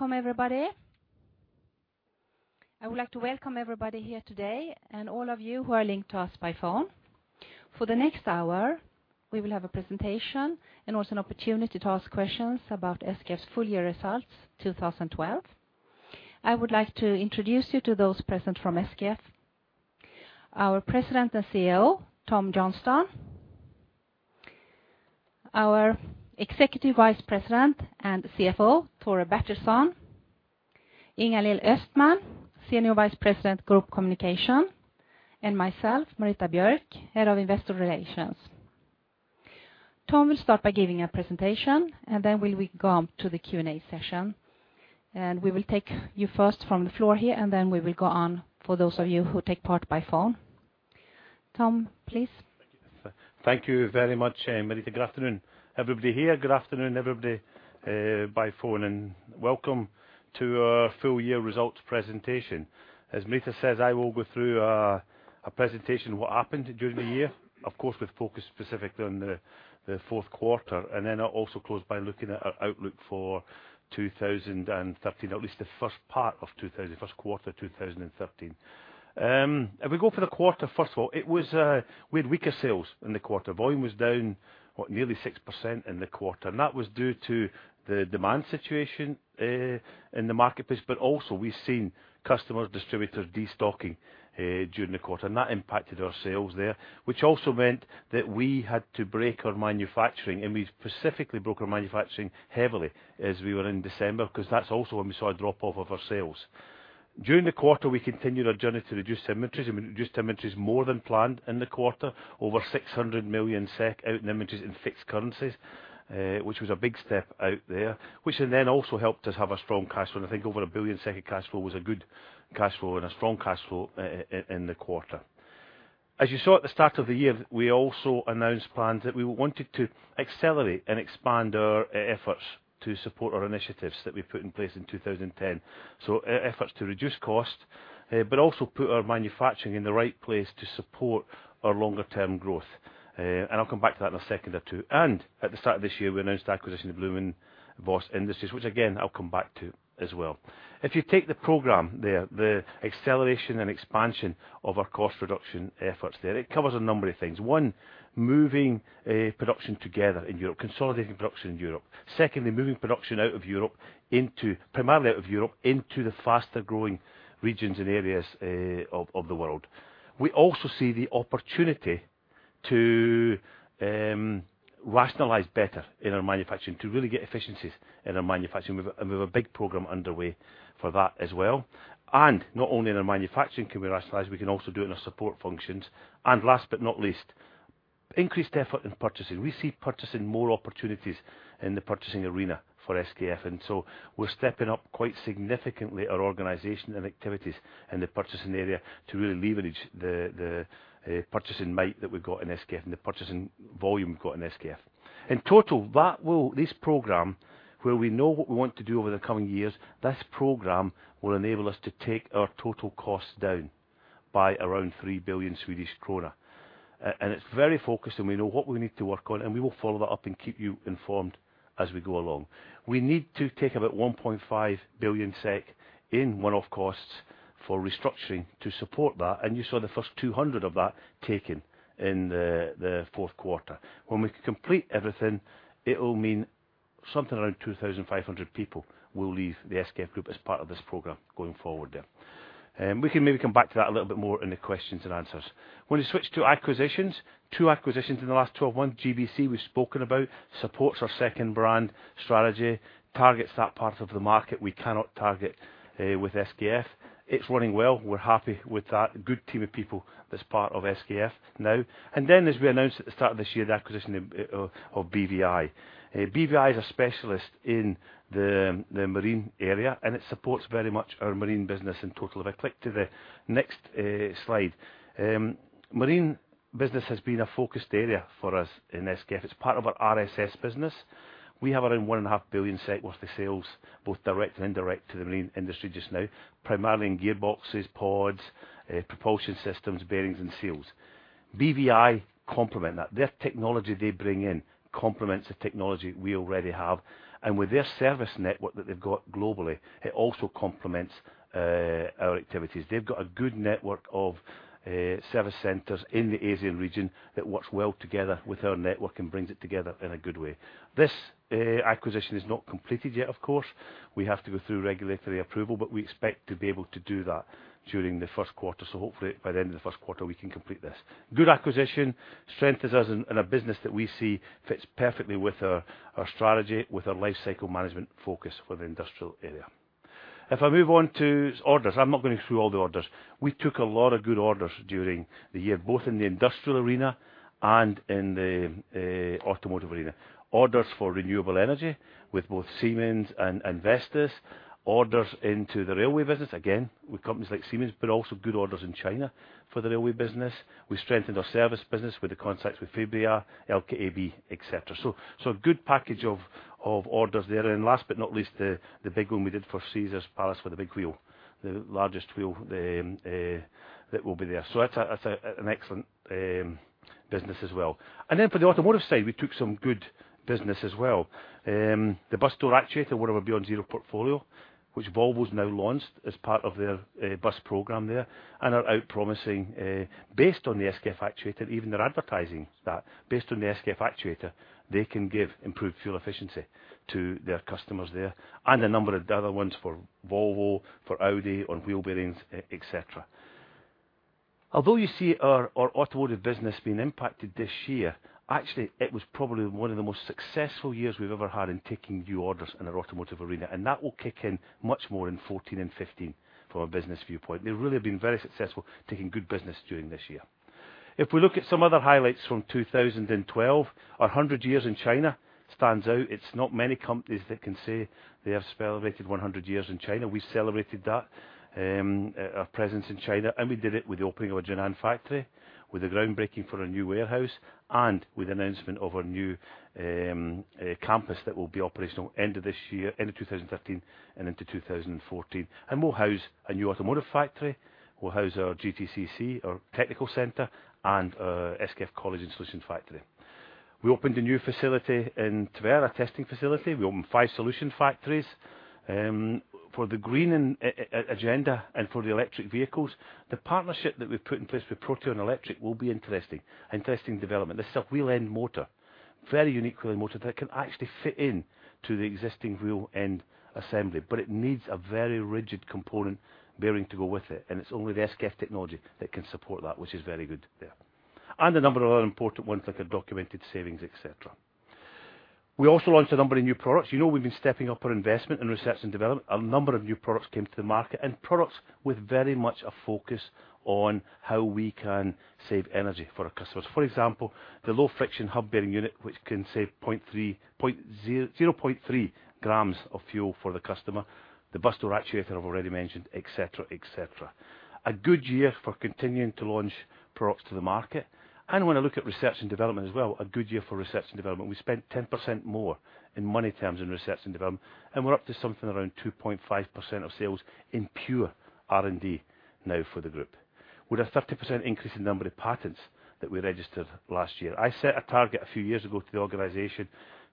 Welcome, everybody. I would like to welcome everybody here today, and all of you who are linked to us by phone. For the next hour, we will have a presentation and also an opportunity to ask questions about SKF's full year results, 2012. I would like to introduce you to those present from SKF. Our President and CEO, Tom Johnstone. Our Executive Vice President and CFO, Tore Bertilsson. Ingalill Östman, Senior Vice President, Group Communications, and myself, Marita Björk, Head of Investor Relations. Tom will start by giving a presentation, and then we will go on to the Q&A session. We will take you first from the floor here, and then we will go on for those of you who take part by phone. Tom, please. Thank you very much, Marita. Good afternoon, everybody here. Good afternoon, everybody by phone, and welcome to our full year results presentation. As Marita says, I will go through a presentation, what happened during the year, of course, with focus specifically on the fourth quarter, and then I'll also close by looking at our outlook for 2013, at least the first part of two thousand... First quarter, 2013. If we go for the quarter, first of all, it was we had weaker sales in the quarter. Volume was down, what, nearly 6% in the quarter, and that was due to the demand situation in the marketplace, but also, we've seen customer distributors destocking during the quarter, and that impacted our sales there, which also meant that we had to break our manufacturing, and we specifically broke our manufacturing heavily as we were in December, 'cause that's also when we saw a drop-off of our sales. During the quarter, we continued our journey to reduce inventories, and we reduced inventories more than planned in the quarter, over 600 million SEK out in inventories in fixed currencies, which was a big step out there, which then also helped us have a strong cash flow. And I think over 1 billion cash flow was a good cash flow and a strong cash flow in the quarter. As you saw at the start of the year, we also announced plans that we wanted to accelerate and expand our e-efforts to support our initiatives that we put in place in 2010. So e-efforts to reduce cost, but also put our manufacturing in the right place to support our longer term growth, and I'll come back to that in a second or two. And at the start of this year, we announced the acquisition of Blohm + Voss Industries, which again, I'll come back to as well. If you take the program there, the acceleration and expansion of our cost reduction efforts there, it covers a number of things. One, moving production together in Europe, consolidating production in Europe. Secondly, moving production out of Europe into, primarily out of Europe into the faster-growing regions and areas of the world. We also see the opportunity to rationalize better in our manufacturing, to really get efficiencies in our manufacturing, and we've a big program underway for that as well. And not only in our manufacturing can we rationalize, we can also do it in our support functions. And last but not least, increased effort in purchasing. We see purchasing more opportunities in the purchasing arena for SKF, and so we're stepping up quite significantly our organization and activities in the purchasing area to really leverage the purchasing might that we've got in SKF and the purchasing volume we've got in SKF. In total, that will—this program, where we know what we want to do over the coming years, this program will enable us to take our total costs down by around 3 billion Swedish kronor. And it's very focused, and we know what we need to work on, and we will follow that up and keep you informed as we go along. We need to take about 1.5 billion SEK in one-off costs for restructuring to support that, and you saw the first 200 million of that taken in the fourth quarter. When we complete everything, it'll mean something around 2,500 people will leave the SKF Group as part of this program going forward there. We can maybe come back to that a little bit more in the questions and answers. When you switch to acquisitions, 2 acquisitions in the last 12 months. GBC, we've spoken about, supports our second brand strategy, targets that part of the market we cannot target with SKF. It's running well. We're happy with that. Good team of people that's part of SKF now. And then, as we announced at the start of this year, the acquisition of BVI. BVI is a specialist in the marine area, and it supports very much our marine business in total. If I click to the next slide. Marine business has been a focused area for us in SKF. It's part of our RSS business. We have around 1.5 billion worth of sales, both direct and indirect, to the marine industry just now, primarily in gearboxes, pods, propulsion systems, bearings, and seals. BVI complement that. Their technology they bring in complements the technology we already have, and with their service network that they've got globally, it also complements our activities. They've got a good network of service centers in the Asian region that works well together with our network and brings it together in a good way. This acquisition is not completed yet, of course. We have to go through regulatory approval, but we expect to be able to do that during the first quarter, so hopefully, by the end of the first quarter, we can complete this. Good acquisition, strengthens us in a business that we see fits perfectly with our strategy, with our life cycle management focus for the industrial area. If I move on to orders, I'm not going through all the orders. We took a lot of good orders during the year, both in the industrial arena and in the automotive arena. Orders for renewable energy with both Siemens and Vestas. Orders into the railway business, again, with companies like Siemens, but also good orders in China for the railway business. We strengthened our service business with the contracts with Fibria, LKAB, et cetera. So a good package of orders there. And last but not least, the big one we did for Caesars Palace, for the big wheel, the largest wheel, that will be there. So that's a, that's an excellent business as well. And then for the automotive side, we took some business as well. The bus door actuator, one of our BeyondZero portfolio, which Volvo has now launched as part of their bus program there, and are out promising, based on the SKF actuator, even their advertising, that based on the SKF actuator, they can give improved fuel efficiency to their customers there. A number of the other ones for Volvo, for Audi, on wheel bearings, et cetera. Although you see our automotive business being impacted this year, actually, it was probably one of the most successful years we've ever had in taking new orders in our automotive arena, and that will kick in much more in 2014 and 2015 from a business viewpoint. They've really been very successful taking good business during this year. If we look at some other highlights from 2012, our 100 years in China stands out. It's not many companies that can say they have celebrated 100 years in China. We celebrated that our presence in China, and we did it with the opening of our Jinan factory, with the groundbreaking for a new warehouse, and with the announcement of our new campus that will be operational end of this year, end of 2013 and into 2014. And we'll house a new automotive factory, we'll house our GTCC, our technical center, and our SKF College and Solution Factory. We opened a new facility in Tver, a testing facility. We opened five solution factories. For the green and agenda and for the electric vehicles, the partnership that we've put in place with Protean Electric will be interesting, interesting development. This is a wheel end motor, very unique wheel end motor that can actually fit into the existing wheel end assembly, but it needs a very rigid component bearing to go with it, and it's only the SKF technology that can support that, which is very good there. A number of other important ones, like our documented savings, et cetera. We also launched a number of new products. You know, we've been stepping up our investment in research and development. A number of new products came to the market, and products with very much a focus on how we can save energy for our customers. For example, the low friction hub bearing unit, which can save 0.3, 0.0, 0.3 grams of fuel for the customer. The bus door actuator I've already mentioned, et cetera, et cetera. A good year for continuing to launch products to the market, and when I look at research and development as well, a good year for research and development. We spent 10% more in money terms in research and development, and we're up to something around 2.5% of sales in pure R&D now for the group, with a 30% increase in number of patents that we registered last year. I set a target a few years ago to the organization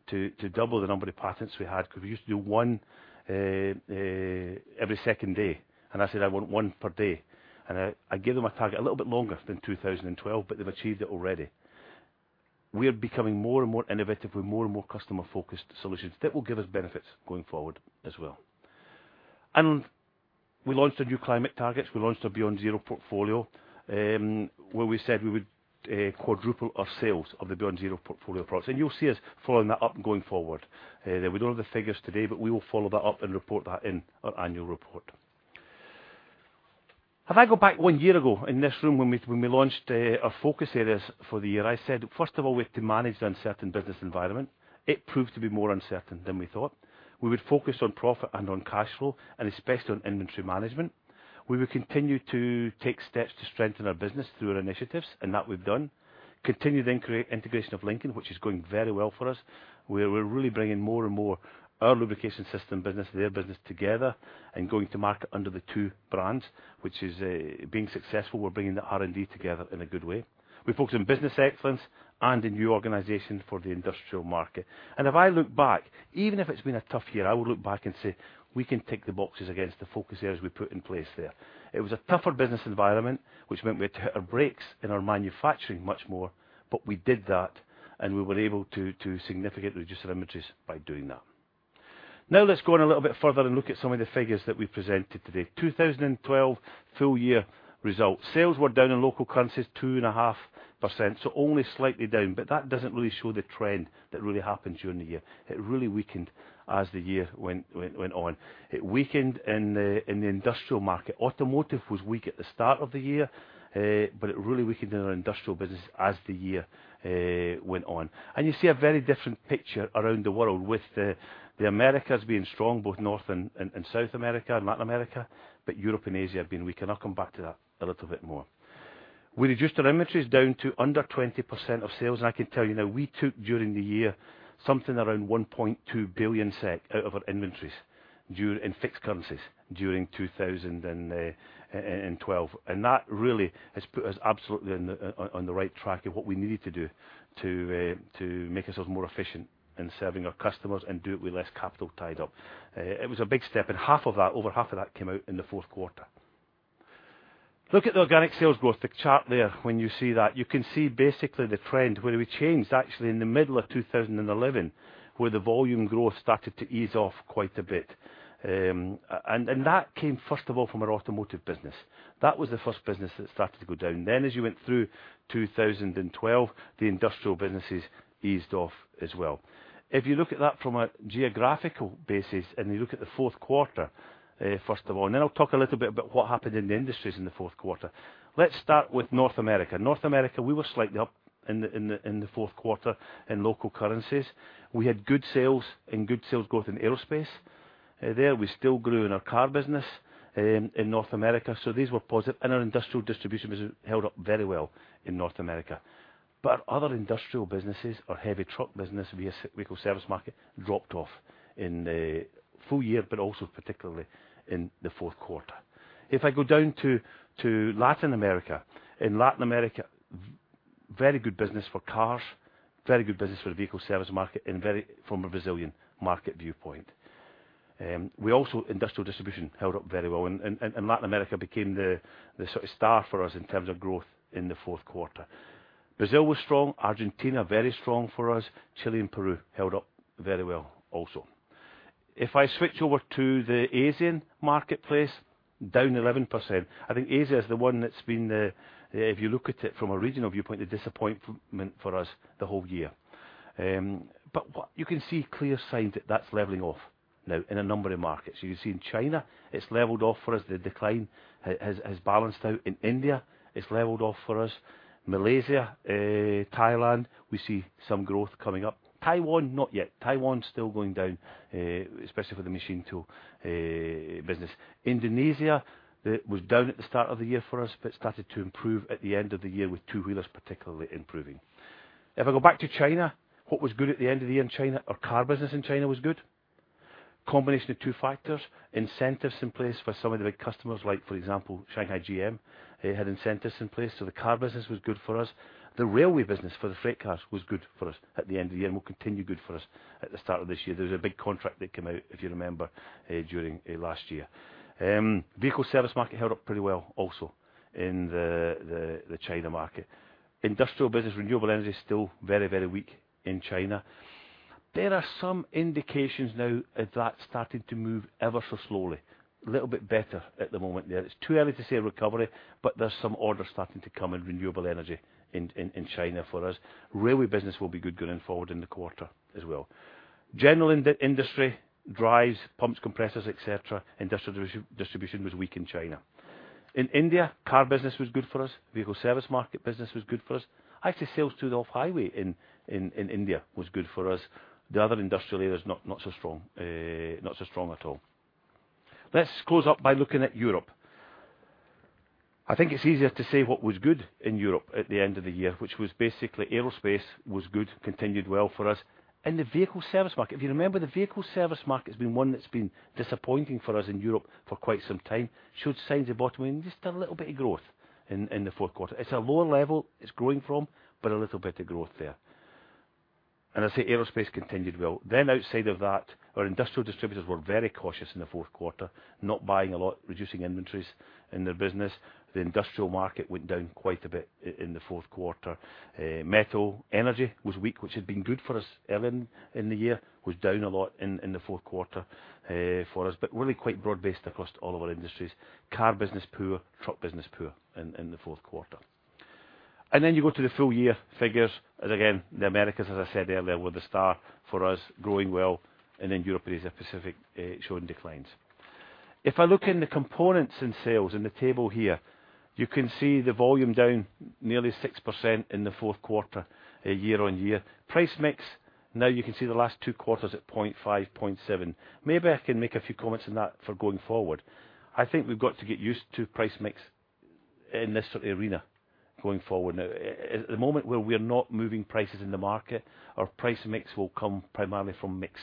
to double the number of patents we had, because we used to do one every second day, and I said, "I want one per day." And I gave them a target a little bit longer than 2012, but they've achieved it already. We are becoming more and more innovative with more and more customer-focused solutions. That will give us benefits going forward as well. And we launched our new climate targets. We launched our BeyondZero portfolio, where we said we would quadruple our sales of the BeyondZero portfolio products, and you'll see us following that up going forward. We don't have the figures today, but we will follow that up and report that in our annual report. If I go back one year ago in this room when we, when we launched our focus areas for the year, I said, first of all, we have to manage the uncertain business environment. It proved to be more uncertain than we thought. We would focus on profit and on cash flow, and especially on inventory management. We will continue to take steps to strengthen our business through our initiatives, and that we've done. Continued integration of Lincoln, which is going very well for us. We're really bringing more and more our lubrication system business, their business together and going to market under the two brands, which is being successful. We're bringing the R&D together in a good way. We focused on business excellence and a new organization for the industrial market. And if I look back, even if it's been a tough year, I would look back and say, "We can tick the boxes against the focus areas we put in place there." It was a tougher business environment, which meant we had to hit our brakes in our manufacturing much more, but we did that, and we were able to significantly reduce our inventories by doing that. Now, let's go on a little bit further and look at some of the figures that we presented today. 2012 full year results. Sales were down in local currencies, 2.5%, so only slightly down, but that doesn't really show the trend that really happened during the year. It really weakened as the year went on. It weakened in the industrial market. Automotive was weak at the start of the year, but it really weakened in our industrial business as the year went on. And you see a very different picture around the world with the Americas being strong, both North and South America and Latin America, but Europe and Asia have been weaker, and I'll come back to that a little bit more. We reduced our inventories down to under 20% of sales. I can tell you now, we took, during the year, something around 1.2 billion SEK out of our inventories during... In fixed currencies, during 2012. And that really has put us absolutely on the right track of what we needed to do to make ourselves more efficient in serving our customers and do it with less capital tied up. It was a big step, and half of that, over half of that came out in the fourth quarter. Look at the organic sales growth, the chart there, when you see that. You can see basically the trend, where we changed actually in the middle of 2011, where the volume growth started to ease off quite a bit. And that came, first of all, from our automotive business. That was the first business that started to go down. Then, as you went through 2012, the industrial businesses eased off as well. If you look at that from a geographical basis, and you look at the fourth quarter, first of all, and then I'll talk a little bit about what happened in the industries in the fourth quarter. Let's start with North America. North America, we were slightly up in the fourth quarter in local currencies. We had good sales and good sales growth in aerospace. There we still grew in our car business in North America, so these were positive, and our industrial distribution business held up very well in North America. But our other industrial businesses, our heavy truck business, vehicle service market, dropped off in the full year, but also particularly in the fourth quarter. If I go down to Latin America, in Latin America, very good business for cars, very good business for the vehicle service market, and very from a Brazilian market viewpoint. We also, industrial distribution held up very well, and Latin America became the sort of star for us in terms of growth in the fourth quarter. Brazil was strong, Argentina, very strong for us. Chile and Peru held up very well also. If I switch over to the Asian marketplace, down 11%. I think Asia is the one that's been the... If you look at it from a regional viewpoint, a disappointment for us the whole year. But what you can see clear signs that that's leveling off now in a number of markets. You can see in China, it's leveled off for us. The decline has balanced out. In India, it's leveled off for us. Malaysia, Thailand, we see some growth coming up. Taiwan, not yet. Taiwan's still going down, especially for the machine tool business. Indonesia, that was down at the start of the year for us, but started to improve at the end of the year, with two-wheelers particularly improving. If I go back to China, what was good at the end of the year in China? Our car business in China was good. Combination of two factors, incentives in place for some of the big customers, like, for example, Shanghai GM, they had incentives in place, so the car business was good for us. The railway business for the freight cars was good for us at the end of the year, and will continue good for us at the start of this year. There's a big contract that came out, if you remember, during last year. Vehicle service market held up pretty well also in the China market. Industrial business, renewable energy, still very, very weak in China. There are some indications now that's starting to move ever so slowly, a little bit better at the moment there. It's too early to say a recovery, but there's some orders starting to come in renewable energy in China for us. Railway business will be good going forward in the quarter as well. General industry, drives, pumps, compressors, et cetera, industrial distribution was weak in China. In India, car business was good for us. Vehicle service market business was good for us. Actually, sales to the off-highway in India was good for us. The other industrial areas, not, not so strong, not so strong at all. Let's close up by looking at Europe. I think it's easier to say what was good in Europe at the end of the year, which was basically aerospace was good, continued well for us, and the vehicle service market. If you remember, the vehicle service market has been one that's been disappointing for us in Europe for quite some time, showed signs of bottoming, just a little bit of growth in the fourth quarter. It's a lower level it's growing from, but a little bit of growth there. And I say aerospace continued well. Then outside of that, our industrial distributors were very cautious in the fourth quarter, not buying a lot, reducing inventories in their business. The industrial market went down quite a bit in the fourth quarter. Metal, energy was weak, which had been good for us earlier in the year, was down a lot in the fourth quarter for us, but really quite broad-based across all of our industries. Car business, poor. Truck business, poor in the fourth quarter. And then you go to the full year figures, and again, the Americas, as I said earlier, were the star for us, growing well, and then Europe and Asia Pacific showing declines. If I look in the components in sales in the table here, you can see the volume down nearly 6% in the fourth quarter year-on-year. Price mix, now you can see the last two quarters at 0.5, 0.7. Maybe I can make a few comments on that for going forward. I think we've got to get used to price mix in this sort of arena going forward now. At the moment, where we are not moving prices in the market, our price mix will come primarily from mix.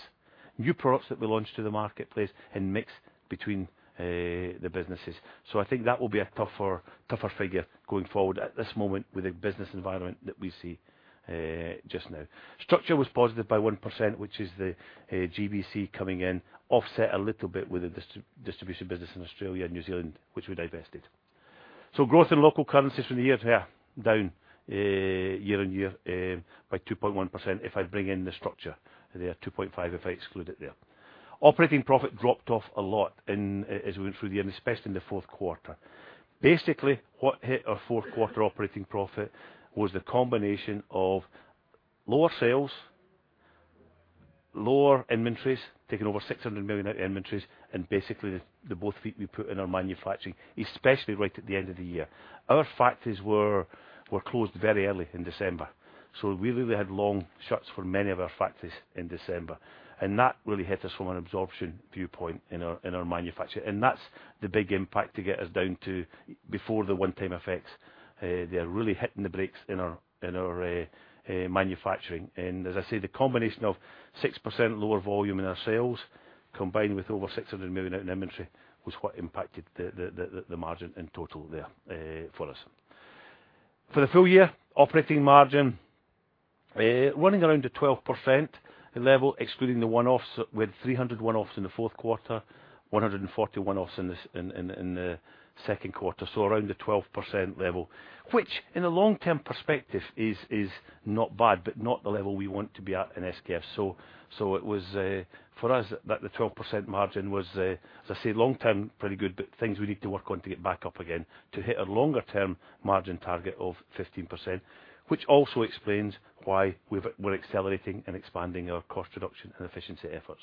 New products that we launch to the marketplace and mix between the businesses. So I think that will be a tougher, tougher figure going forward at this moment with the business environment that we see just now. Structure was positive by 1%, which is the GBC coming in, offset a little bit with the distribution business in Australia and New Zealand, which we divested. So growth in local currencies from the year to here, down year-on-year by 2.1%, if I bring in the structure there, 2.5%, if I exclude it there. Operating profit dropped off a lot in... As we went through the year, and especially in the fourth quarter. Basically, what hit our fourth quarter operating profit was the combination of lower sales, lower inventories, taking over 600 million out in inventories, and basically, the both feet we put in our manufacturing, especially right at the end of the year. Our factories were closed very early in December, so we really had long shuts for many of our factories in December, and that really hit us from an absorption viewpoint in our manufacturing. And that's the big impact to get us down to before the one-time effects. They are really hitting the brakes in our manufacturing. As I say, the combination of 6% lower volume in our sales, combined with over 600 million out in inventory, was what impacted the margin in total there for us. For the full year operating margin, running around the 12% level, excluding the one-offs, with 300 million one-offs in the fourth quarter, 140 million one-offs in the second quarter, so around the 12% level, which in the long term perspective is not bad, but not the level we want to be at in SKF. So it was for us that the 12% margin was, as I say, long term, pretty good, but things we need to work on to get back up again, to hit our longer-term margin target of 15%, which also explains why we're accelerating and expanding our cost reduction and efficiency efforts.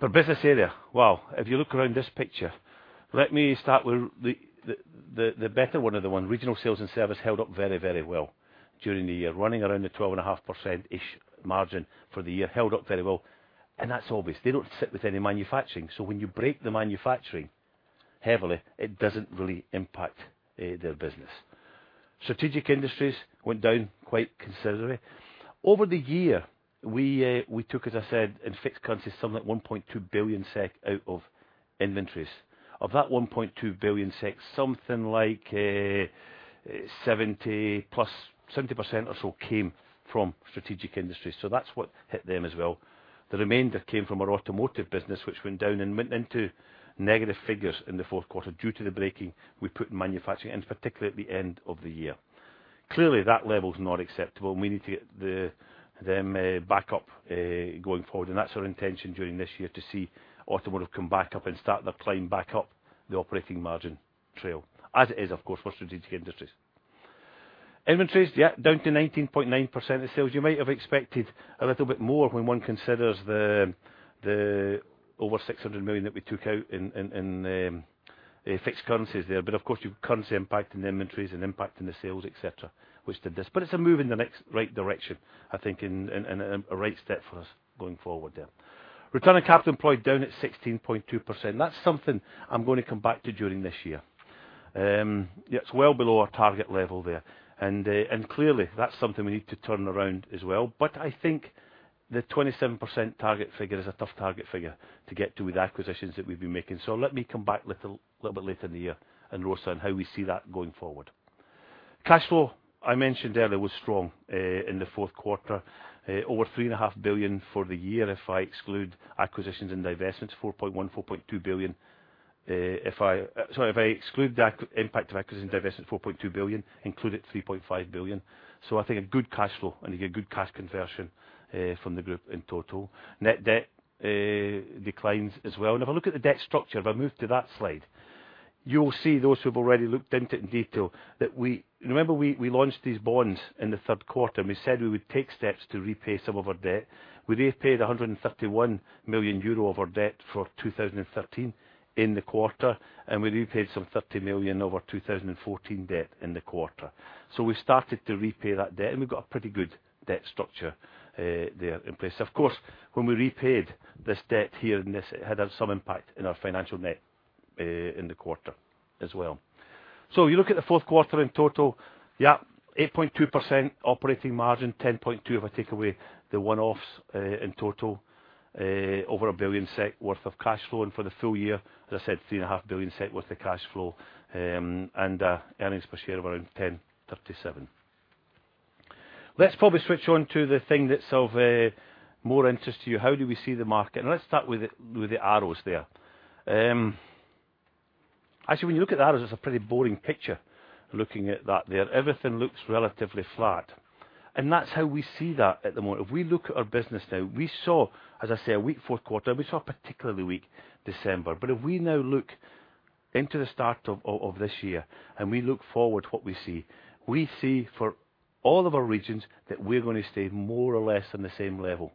Per business area, well, if you look around this picture, let me start with the better one of the one. Regional Sales and Service held up very, very well during the year, running around the 12.5%-ish margin for the year. Held up very well, and that's obvious. They don't sit with any manufacturing, so when you break the manufacturing heavily, it doesn't really impact their business. Strategic Industries went down quite considerably. Over the year, we, we took, as I said, in fixed currency, something like 1.2 billion SEK out of inventories. Of that 1.2 billion SEK, something like, 70 plus, 70% or so came from Strategic Industries, so that's what hit them as well. The remainder came from our automotive business, which went down and went into negative figures in the fourth quarter due to the breaking we put in manufacturing, and particularly at the end of the year. Clearly, that level is not acceptable, and we need to get the, them, back up, going forward, and that's our intention during this year, to see automotive come back up and start their climb back up the operating margin trail, as it is, of course, for Strategic Industries. Inventories, yeah, down to 19.9% of sales. You might have expected a little bit more when one considers the over 600 million that we took out in fixed currencies there, but of course, you've currency impact in the inventories and impact in the sales, et cetera, which did this. But it's a move in the next right direction, I think, and a right step for us going forward there. Return on capital employed down at 16.2%. That's something I'm going to come back to during this year. Yeah, it's well below our target level there, and clearly, that's something we need to turn around as well. But I think the 27% target figure is a tough target figure to get to with the acquisitions that we've been making. So let me come back little, little bit later in the year, and also on how we see that going forward. Cash flow, I mentioned earlier, was strong, in the fourth quarter. Over 3.5 billion for the year, if I exclude acquisitions and divestments, 4.1 billion-4.2 billion. Sorry, if I exclude the impact of acquisitions and divestments, 4.2 billion, include it, 3.5 billion. So I think a good cash flow, and you get good cash conversion, from the group in total. Net debt, declines as well. If I look at the debt structure, if I move to that slide, you will see those who've already looked into it in detail, that we. Remember, we launched these bonds in the third quarter, and we said we would take steps to repay some of our debt. We repaid 131 million euro of our debt for 2013 in the quarter, and we repaid 30 million of our 2014 debt in the quarter. So we started to repay that debt, and we've got a pretty good debt structure there in place. Of course, when we repaid this debt here in this, it had some impact in our financial net in the quarter as well. So you look at the fourth quarter in total, yeah, 8.2% operating margin, 10.2%, if I take away the one-offs, in total. Over 1 billion SEK worth of cash flow, and for the full year, as I said, 3.5 billion SEK worth of cash flow, and earnings per share of around 10.37 SEK. Let's probably switch on to the thing that's of more interest to you. How do we see the market? Let's start with the arrows there. Actually, when you look at the arrows, it's a pretty boring picture, looking at that there. Everything looks relatively flat, and that's how we see that at the moment. If we look at our business now, we saw, as I say, a weak fourth quarter, and we saw a particularly weak December. But if we now look into the start of this year, and we look forward what we see, we see for all of our regions that we're going to stay more or less on the same level,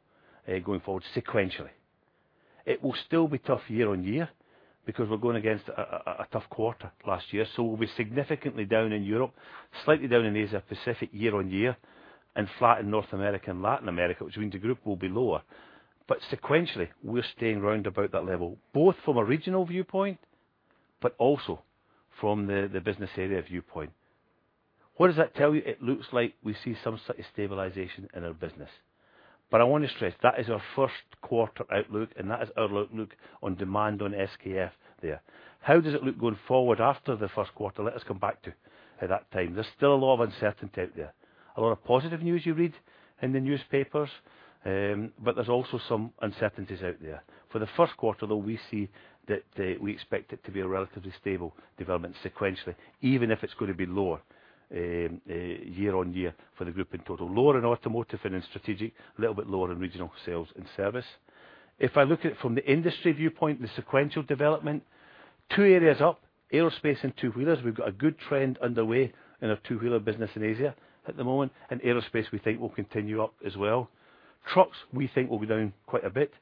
going forward sequentially. It will still be tough year-on-year, because we're going against a tough quarter last year. So we'll be significantly down in Europe, slightly down in Asia, Pacific year-on-year, and flat in North America and Latin America, which means the group will be lower. But sequentially, we're staying round about that level, both from a regional viewpoint, but also from the business area viewpoint. What does that tell you? It looks like we see some slight stabilization in our business. But I want to stress, that is our first quarter outlook, and that is our outlook on demand on SKF there. How does it look going forward after the first quarter? Let us come back to that time. There's still a lot of uncertainty out there. A lot of positive news you read in the newspapers, but there's also some uncertainties out there. For the first quarter, though, we see that we expect it to be a relatively stable development sequentially, even if it's going to be lower year-on-year for the group in total. Lower in automotive and in strategic, a little bit lower in regional sales and service. If I look at it from the industry viewpoint, the sequential development, two areas up, aerospace and two wheelers. We've got a good trend underway in our two-wheeler business in Asia at the moment, and aerospace we think will continue up as well. Trucks, we think, will be down quite a bit.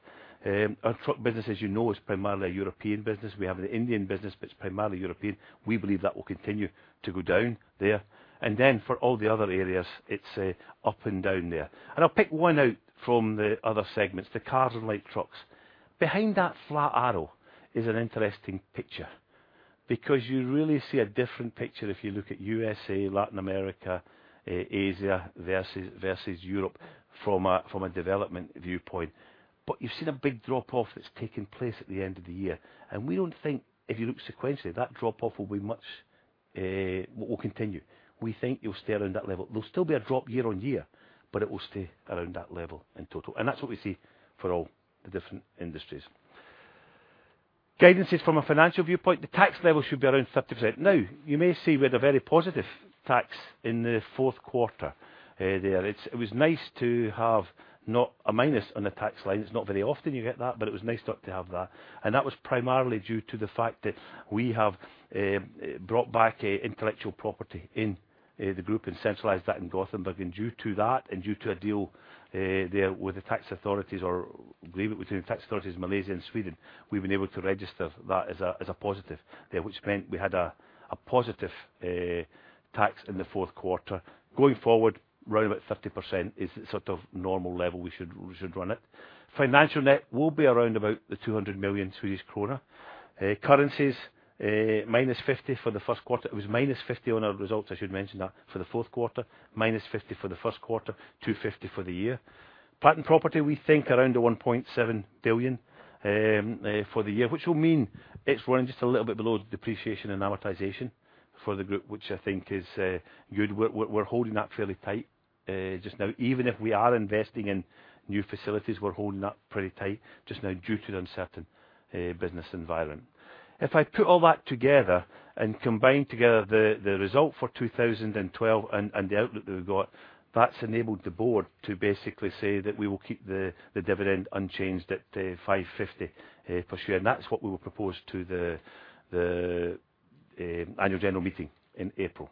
Our truck business, as you know, is primarily a European business. We have an Indian business, but it's primarily European. We believe that will continue to go down there. And then for all the other areas, it's up and down there. And I'll pick one out from the other segments, the cars and light trucks. Behind that flat arrow is an interesting picture, because you really see a different picture if you look at USA, Latin America, Asia versus Europe from a development viewpoint. But you've seen a big drop-off that's taken place at the end of the year, and we don't think if you look sequentially, that drop-off will be much. Will continue. We think you'll stay around that level. There'll still be a drop year-on-year, but it will stay around that level in total, and that's what we see for all the different industries. Guidance from a financial viewpoint, the tax level should be around 30%. Now, you may see we had a very positive tax in the fourth quarter, there. It was nice to have not a minus on the tax line. It's not very often you get that, but it was nice not to have that. And that was primarily due to the fact that we have brought back an intellectual property in the group and centralized that in Gothenburg. And due to that, and due to a deal there with the tax authorities or-... agreement between tax authorities in Malaysia and Sweden, we've been able to register that as a positive there, which meant we had a positive tax in the fourth quarter. Going forward, around about 30% is sort of normal level we should run it. Financial net will be around about 200 million Swedish kronor. Currencies, minus 50 million for the first quarter. It was minus 50 million on our results, I should mention that, for the fourth quarter, minus 50 million for the first quarter, 250 million for the year. Plant and property, we think around 1.7 billion for the year, which will mean it's running just a little bit below depreciation and amortization for the group, which I think is good. We're holding that fairly tight, just now. Even if we are investing in new facilities, we're holding that pretty tight just now due to the uncertain business environment. If I put all that together and combine together the result for 2012 and the outlook that we've got, that's enabled the board to basically say that we will keep the dividend unchanged at 5.50 per share. And that's what we will propose to the annual general meeting in April.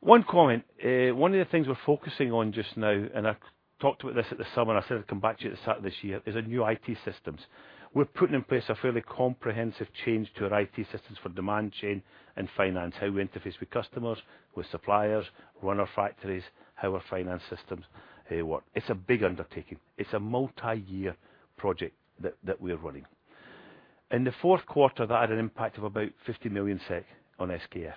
One comment. One of the things we're focusing on just now, and I talked about this at the summer, and I said I'd come back to you at the start of this year, is our new IT systems. We're putting in place a fairly comprehensive change to our IT systems for demand chain and finance, how we interface with customers, with suppliers, run our factories, how our finance systems work. It's a big undertaking. It's a multi-year project that, that we're running. In the fourth quarter, that had an impact of about 50 million SEK on SKF.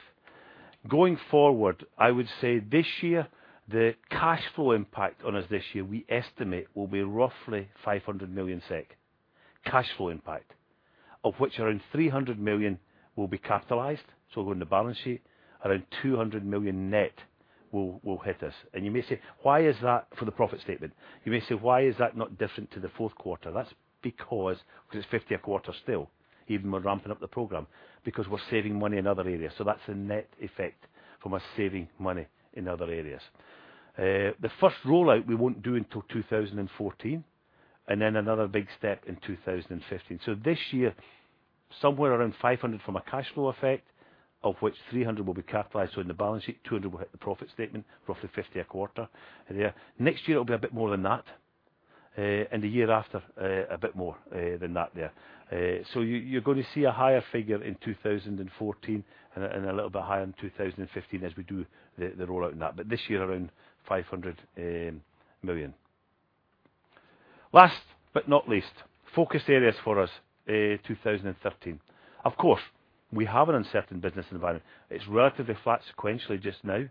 Going forward, I would say this year, the cash flow impact on us this year, we estimate will be roughly 500 million SEK, cash flow impact, of which around 300 million will be capitalized, so it will go on the balance sheet. Around 200 million net will, will hit us. You may say, "Why is that for the profit statement?" You may say, "Why is that not different to the fourth quarter?" That's because, because it's 50 a quarter still, even though we're ramping up the program, because we're saving money in other areas. So that's a net effect from us saving money in other areas. The first rollout we won't do until 2014, and then another big step in 2015. So this year, somewhere around 500 from a cash flow effect, of which 300 will be capitalized on the balance sheet, 200 will hit the profit statement, roughly 50 a quarter there. Next year, it'll be a bit more than that, and the year after, a bit more than that there. So you're going to see a higher figure in 2014 and a little bit higher in 2015 as we do the rollout on that. But this year, around 500 million. Last but not least, focus areas for us, 2013. Of course, we have an uncertain business environment. It's relatively flat sequentially just now.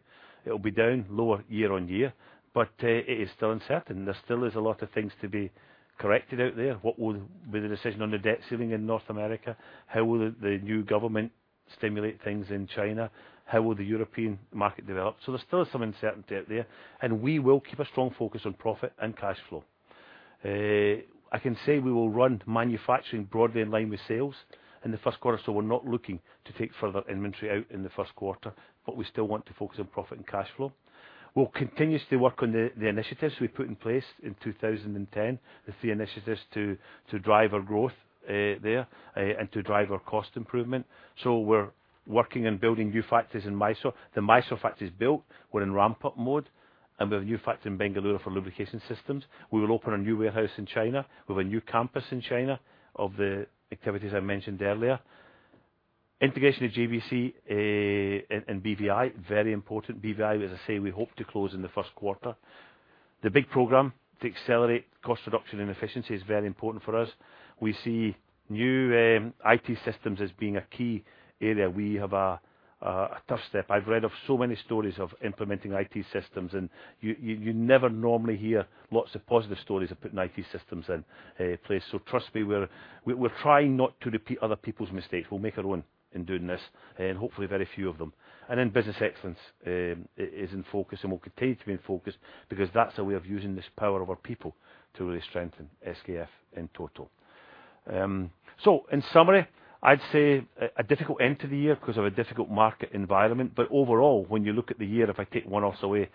It'll be down lower year-on-year, but it is still uncertain. There still is a lot of things to be corrected out there. What will be the decision on the debt ceiling in North America? How will the new government stimulate things in China? How will the European market develop? So there's still some uncertainty out there, and we will keep a strong focus on profit and cash flow. I can say we will run manufacturing broadly in line with sales in the first quarter, so we're not looking to take further inventory out in the first quarter, but we still want to focus on profit and cash flow. We'll continue to work on the initiatives we put in place in 2010, the three initiatives to drive our growth and to drive our cost improvement. So we're working on building new factories in Mysore. The Mysore factory is built. We're in ramp-up mode, and we have a new factory in Bengaluru for lubrication systems. We will open a new warehouse in China. We have a new campus in China of the activities I mentioned earlier. Integration of GBC and BVI, very important. BVI, as I say, we hope to close in the first quarter. The big program to accelerate cost reduction and efficiency is very important for us. We see new IT systems as being a key area. We have a tough step. I've read of so many stories of implementing IT systems, and you never normally hear lots of positive stories of putting IT systems in place. So trust me, we're trying not to repeat other people's mistakes. We'll make our own in doing this, and hopefully very few of them. And then business excellence is in focus and will continue to be in focus because that's a way of using this power of our people to really strengthen SKF in total. So in summary, I'd say a difficult end to the year because of a difficult market environment. But overall, when you look at the year, if I take one off away,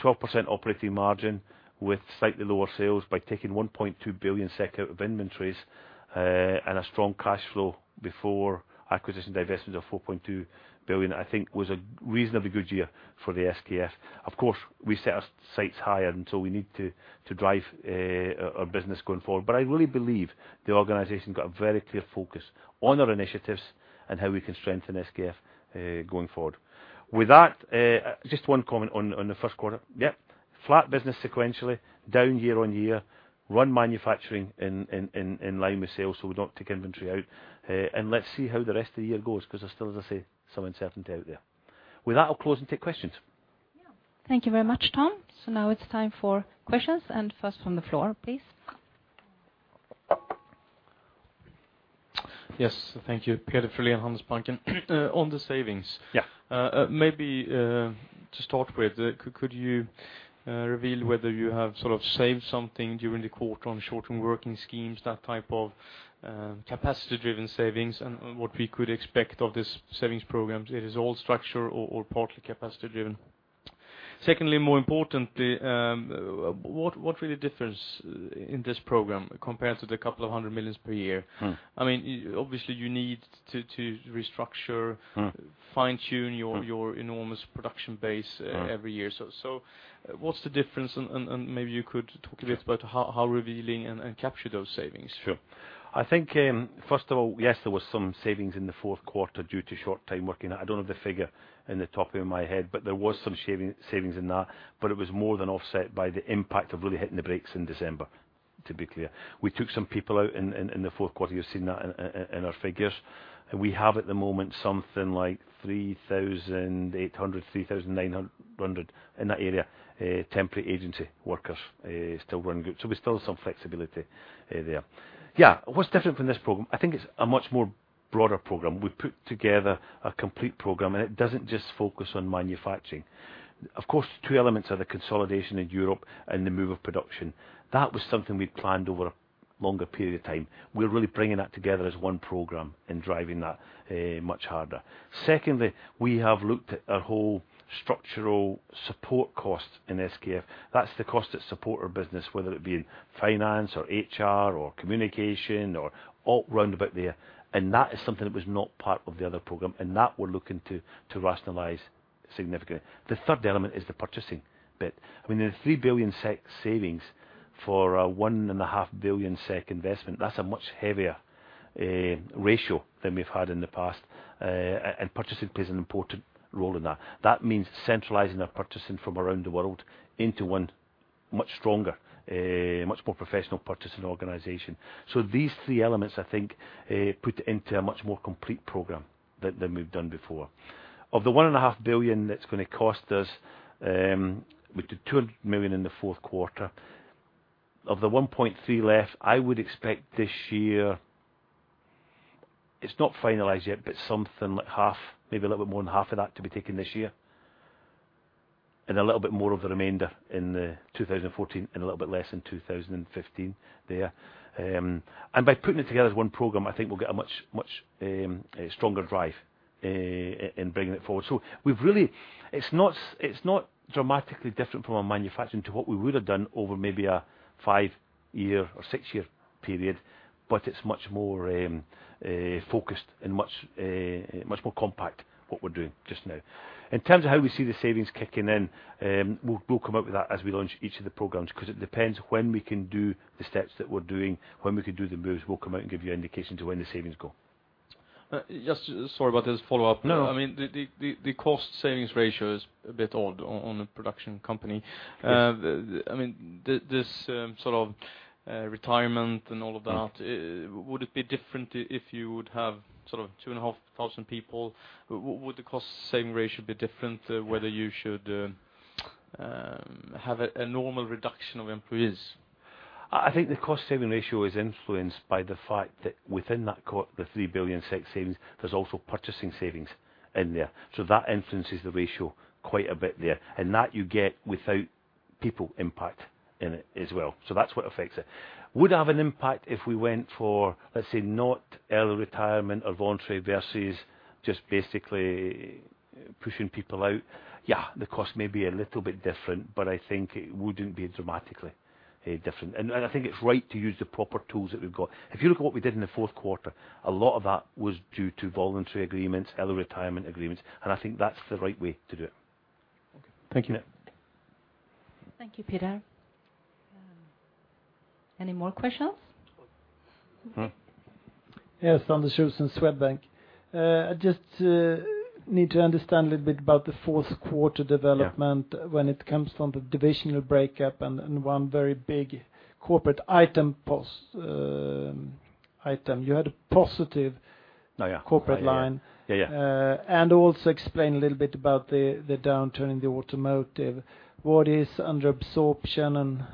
12% operating margin with slightly lower sales by taking 1.2 billion SEK out of inventories, and a strong cash flow before acquisition, divestment of 4.2 billion, I think was a reasonably good year for the SKF. Of course, we set our sights higher, and so we need to, to drive, our business going forward. But I really believe the organization got a very clear focus on our initiatives and how we can strengthen SKF, going forward. With that, just one comment on, on the first quarter. Yep, flat business sequentially, down year-on-year, run manufacturing in line with sales, so we don't take inventory out, and let's see how the rest of the year goes, because there's still, as I say, some uncertainty out there. With that, I'll close and take questions. Thank you very much, Tom. So now it's time for questions, and first from the floor, please. Yes. Thank you. Peder Frölen, Handelsbanken. On the savings- Yeah. Maybe, to start with, could you reveal whether you have sort of saved something during the quarter on short-term working schemes, that type of capacity-driven savings, and what we could expect of this savings programs? Is it all structural or partly capacity driven? Secondly, more importantly, what is the real difference in this program compared to 200 million per year? Mm. I mean, obviously, you need to restructure- Mm. - fine-tune your- Mm... your enormous production base, Mm every year. So, what's the difference? And maybe you could talk a bit- Yes - about how revealing and capture those savings? Sure. I think, first of all, yes, there was some savings in the fourth quarter due to short time working. I don't have the figure in the top of my head, but there was some savings in that, but it was more than offset by the impact of really hitting the brakes in December, to be clear. We took some people out in the fourth quarter. You've seen that in our figures. We have, at the moment, something like 3,800, 3,900, in that area, temporary agency workers, still run good. So we still have some flexibility there. Yeah, what's different from this program? I think it's a much more broader program. We put together a complete program, and it doesn't just focus on manufacturing. Of course, two elements are the consolidation in Europe and the move of production. That was something we planned over a longer period of time. We're really bringing that together as one program and driving that much harder. Secondly, we have looked at our whole structural support costs in SKF. That's the cost that support our business, whether it be in finance or HR or communication or all round about there, and that is something that was not part of the other program, and that we're looking to rationalize significantly. The third element is the purchasing bit. I mean, there are 3 billion SEK savings for a 1.5 billion SEK investment. That's a much heavier ratio than we've had in the past, and purchasing plays an important role in that. That means centralizing our purchasing from around the world into one much stronger, much more professional purchasing organization. So these three elements, I think, put into a much more complete program than we've done before. Of the 1.5 billion that's gonna cost us, we did 200 million in the fourth quarter. Of the 1.3 left, I would expect this year. It's not finalized yet, but something like half, maybe a little bit more than half of that, to be taken this year, and a little bit more of the remainder in 2014 and a little bit less in 2015 there. And by putting it together as one program, I think we'll get a much, much, stronger drive in bringing it forward. So it's not, it's not dramatically different from a manufacturing to what we would have done over maybe a five-year or six-year period, but it's much more focused and much more compact, what we're doing just now. In terms of how we see the savings kicking in, we'll come up with that as we launch each of the programs, 'cause it depends when we can do the steps that we're doing. When we can do the moves, we'll come out and give you an indication to when the savings go. Just sorry about this follow-up. No. I mean, the cost savings ratio is a bit odd on a production company. Yes. I mean, this sort of retirement and all of that... Mm... would it be different if you would have sort of 2,500 people? Would the cost saving ratio be different, whether you should have a normal reduction of employees? I think the cost saving ratio is influenced by the fact that within that the 3 billion SEK savings, there's also purchasing savings in there. So that influences the ratio quite a bit there, and that you get without people impact in it as well. So that's what affects it. Would have an impact if we went for, let's say, not early retirement or voluntary, versus just basically pushing people out? Yeah, the cost may be a little bit different, but I think it wouldn't be dramatically different. And, and I think it's right to use the proper tools that we've got. If you look at what we did in the fourth quarter, a lot of that was due to voluntary agreements, early retirement agreements, and I think that's the right way to do it. Thank you. Yeah. Thank you, Peter. Any more questions? Mm-hmm. Yes, Anders Schüssen, Swedbank. I just need to understand a little bit about the fourth quarter development. Yeah... when it comes from the divisional breakup and one very big corporate item post, item. You had a positive- Oh, yeah... corporate line. Yeah, yeah. Also explain a little bit about the downturn in the automotive. What is under absorption and-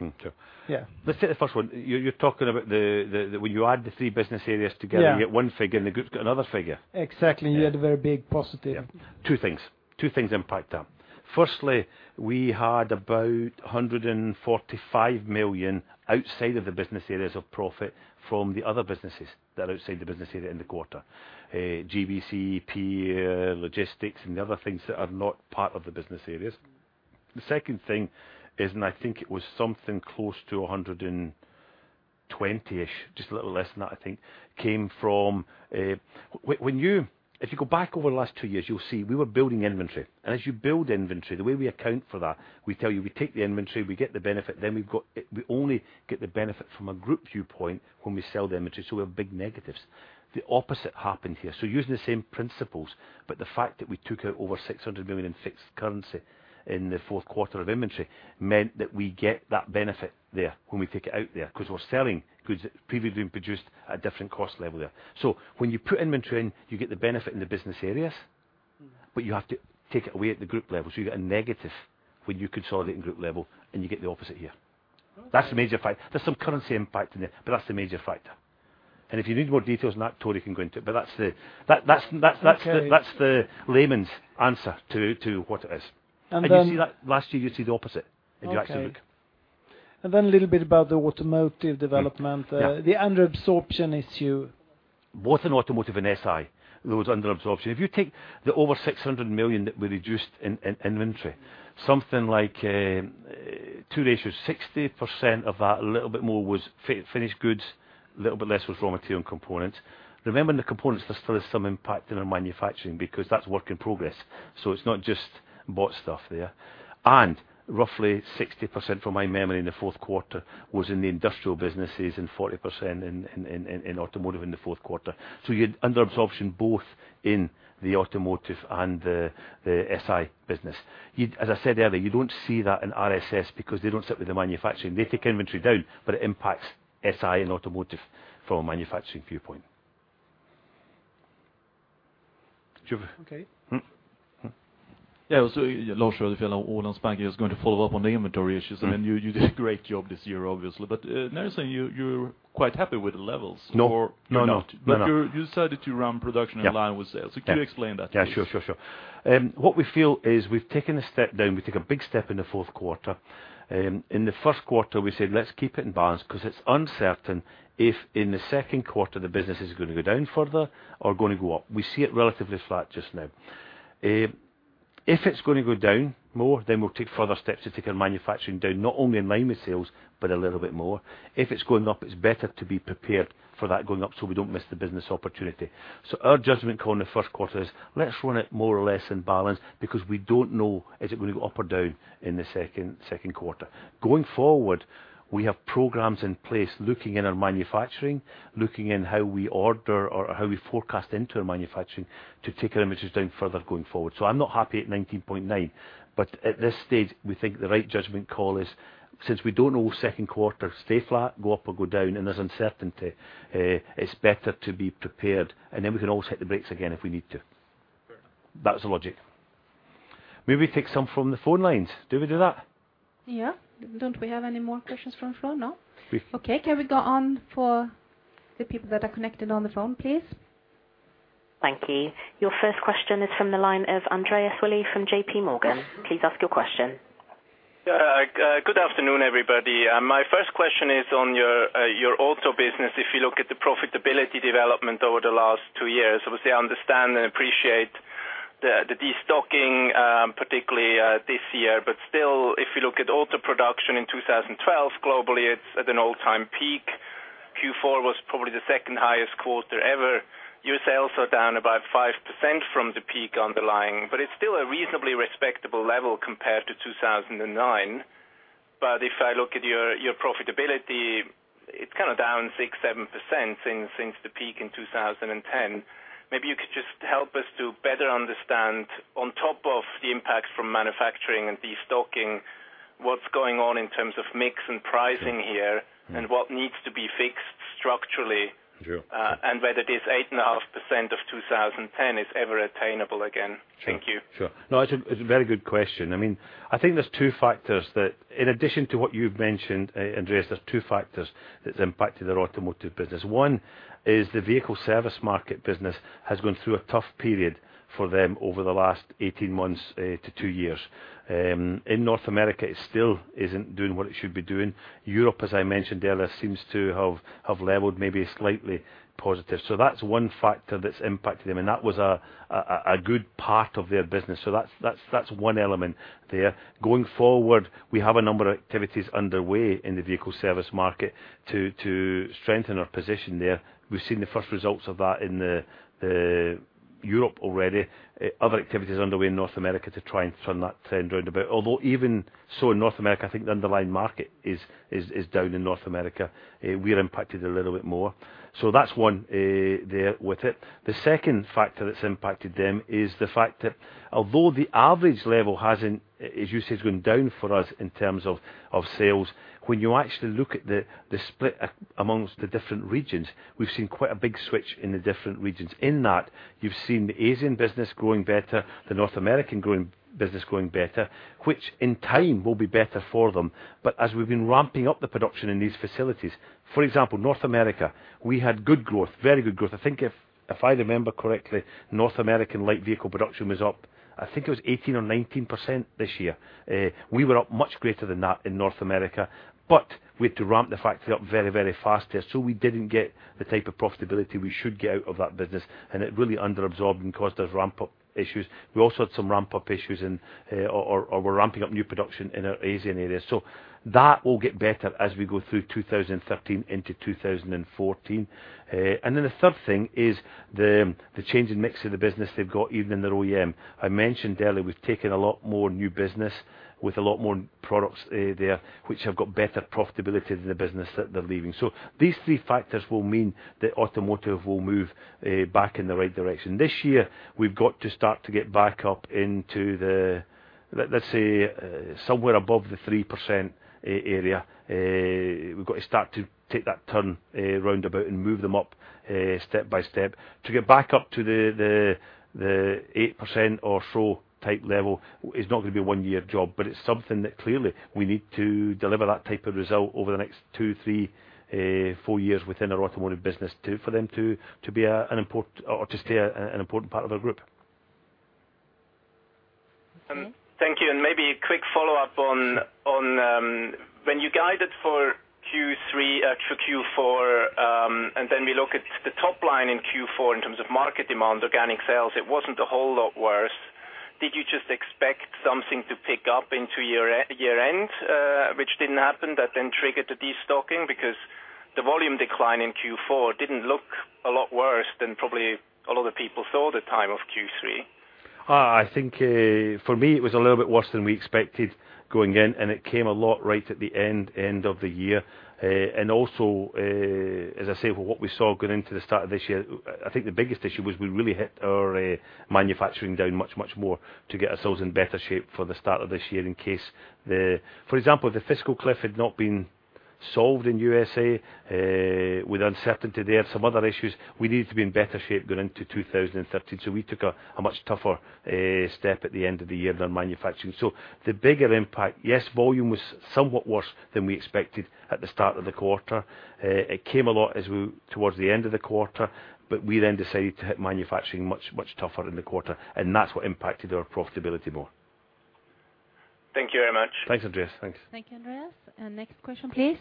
Mm, sure. Yeah. Let's take the first one. You, you're talking about the when you add the three business areas together- Yeah... you get one figure, and the group's got another figure. Exactly. Yeah. You had a very big positive. Yeah. Two things. Two things impact that. Firstly, we had about 145 million outside of the business areas of profit from the other businesses that are outside the business area in the quarter. GBC, logistics, and the other things that are not part of the business areas. The second thing is, and I think it was something close to 120-ish, just a little less than that, I think, came from... When you go back over the last two years, you'll see we were building inventory. And as you build inventory, the way we account for that, we tell you, we take the inventory, we get the benefit, then we've got it - we only get the benefit from a group viewpoint when we sell the inventory, so we have big negatives. The opposite happened here. Using the same principles, but the fact that we took out over 600 million in fixed currency in the fourth quarter of inventory meant that we get that benefit there when we take it out there, 'cause we're selling goods that previously been produced at a different cost level there. When you put inventory in, you get the benefit in the business areas, but you have to take it away at the group level. You get a negative when you consolidate in group level, and you get the opposite here. Oh. That's the major factor. There's some currency impact in there, but that's the major factor. And if you need more details than that, Tore can go into it, but that's the... Okay... that's the layman's answer to, to what it is. And then- You see that last year, you see the opposite, if you actually look.... and then a little bit about the automotive development. Yeah. the under absorption issue. Both in automotive and SI, there was under absorption. If you take the over 600 million that we reduced in inventory, something like two-thirds, 60% of that, a little bit more was finished goods, a little bit less was raw material and components. Remember, in the components, there still is some impact in our manufacturing because that's work in progress, so it's not just bought stuff there. And roughly 60%, from my memory, in the fourth quarter, was in the industrial businesses and 40% in automotive in the fourth quarter. So you had under absorption both in the automotive and the SI business. As I said earlier, you don't see that in RSS because they don't sit with the manufacturing. They take inventory down, but it impacts SI and automotive from a manufacturing viewpoint. Do you have- Okay. Hm? Hm. Yeah, so Lars here from Ålandsbanken. I was going to follow up on the inventory issues. Mm-hmm. I mean, you, you did a great job this year, obviously, but necessarily you, you're quite happy with the levels or- No, no, no. Not. No, no. You decided to run production- Yeah in line with sales. Yeah. Can you explain that, please? Yeah, sure, sure, sure. What we feel is we've taken a step down. We took a big step in the fourth quarter. In the first quarter, we said, "Let's keep it in balance," 'cause it's uncertain if in the second quarter, the business is gonna go down further or gonna go up. We see it relatively flat just now. If it's gonna go down more, then we'll take further steps to take our manufacturing down, not only in line with sales, but a little bit more. If it's going up, it's better to be prepared for that going up, so we don't miss the business opportunity. So our judgment call in the first quarter is, let's run it more or less in balance because we don't know, is it gonna go up or down in the second quarter? Going forward, we have programs in place, looking in our manufacturing, looking in how we order or how we forecast into our manufacturing to take our inventories down further going forward. So I'm not happy at 19.9, but at this stage, we think the right judgment call is, since we don't know second quarter, stay flat, go up or go down, and there's uncertainty, it's better to be prepared, and then we can always hit the brakes again if we need to. Sure. That's the logic. May we take some from the phone lines? Do we do that? Yeah. Don't we have any more questions from phone, no? We- Okay, can we go on for the people that are connected on the phone, please? Thank you. Your first question is from the line of Andreas Willi from JPMorgan. Please ask your question. Yeah, good afternoon, everybody. My first question is on your, your auto business. If you look at the profitability development over the last two years, obviously, I understand and appreciate the, the destocking, particularly, this year. But still, if you look at auto production in 2012, globally, it's at an all-time peak. Q4 was probably the second highest quarter ever. Your sales are down about 5% from the peak underlying, but it's still a reasonably respectable level compared to 2009. But if I look at your, your profitability, it's kind of down 6%-7% since, since the peak in 2010. Maybe you could just help us to better understand, on top of the impacts from manufacturing and destocking, what's going on in terms of mix and pricing here? Mm-hmm and what needs to be fixed structurally. Sure ... and whether this 8.5% of 2010 is ever attainable again? Thank you. Sure. No, it's a very good question. I mean, I think there's two factors that, in addition to what you've mentioned, Andreas, that's impacted our automotive business. One is the vehicle service market business has gone through a tough period for them over the last 18 months, to 2 years. In North America, it still isn't doing what it should be doing. Europe, as I mentioned earlier, seems to have leveled, maybe slightly positive. So that's one factor that's impacted them, and that was a good part of their business. So that's one element there. Going forward, we have a number of activities underway in the vehicle service market to strengthen our position there. We've seen the first results of that in the Europe already. Other activities underway in North America to try and turn that trend around about. Although even so, in North America, I think the underlying market is down in North America, we are impacted a little bit more. So that's one, there with it. The second factor that's impacted them is the fact that although the average level hasn't... As you said, has gone down for us in terms of sales, when you actually look at the split amongst the different regions, we've seen quite a big switch in the different regions. In that, you've seen the Asian business growing better, the North American growing, business growing better, which in time will be better for them. But as we've been ramping up the production in these facilities, for example, North America, we had good growth, very good growth. I think if, if I remember correctly, North American light vehicle production was up, I think it was 18% or 19% this year. We were up much greater than that in North America, but we had to ramp the factory up very, very fast there, so we didn't get the type of profitability we should get out of that business, and it really under absorbed and caused us ramp-up issues. We also had some ramp-up issues in, we're ramping up new production in our Asian area. So that will get better as we go through 2013 into 2014. And then the third thing is the, the change in mix of the business they've got even in their OEM. I mentioned earlier, we've taken a lot more new business with a lot more products, there, which have got better profitability than the business that they're leaving. So these three factors will mean that automotive will move, back in the right direction. This year, we've got to start to get back up into the, let's say, somewhere above the 3% area. We've got to start to take that turn, roundabout and move them up, step by step. To get back up to the eight percent or so type level is not gonna be a one-year job, but it's something that clearly we need to deliver that type of result over the next two, three, four years within our automotive business to, for them to be an important or to stay an important part of our group.... Thank you. And maybe a quick follow-up on when you guided for Q3 for Q4, and then we look at the top line in Q4 in terms of market demand, organic sales, it wasn't a whole lot worse. Did you just expect something to pick up into year-end, which didn't happen, that then triggered the destocking? Because the volume decline in Q4 didn't look a lot worse than probably a lot of people thought at the time of Q3. I think, for me, it was a little bit worse than we expected going in, and it came a lot right at the end of the year. And also, as I say, with what we saw going into the start of this year, I think the biggest issue was we really hit our manufacturing down much more to get ourselves in better shape for the start of this year, in case the... For example, if the fiscal cliff had not been solved in USA, with uncertainty there, and some other issues, we needed to be in better shape going into 2013. So we took a much tougher step at the end of the year than manufacturing. So the bigger impact, yes, volume was somewhat worse than we expected at the start of the quarter. It came a lot as we towards the end of the quarter, but we then decided to hit manufacturing much, much tougher in the quarter, and that's what impacted our profitability more. Thank you very much. Thanks, Andreas. Thanks. Thank you, Andreas. And next question, please.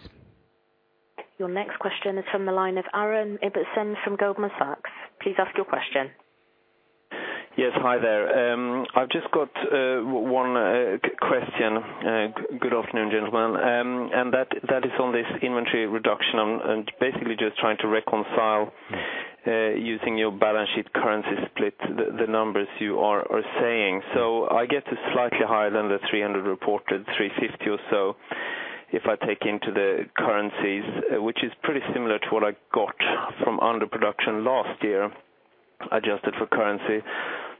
Your next question is from the line of Aron Ibbotson from Goldman Sachs. Please ask your question. Yes. Hi there. I've just got one question. Good afternoon, gentlemen. And that is on this inventory reduction. And basically just trying to reconcile, using your balance sheet currency split, the numbers you are saying. So I get it's slightly higher than the 300 reported, 350 or so, if I take into the currencies, which is pretty similar to what I got from underproduction last year, adjusted for currency.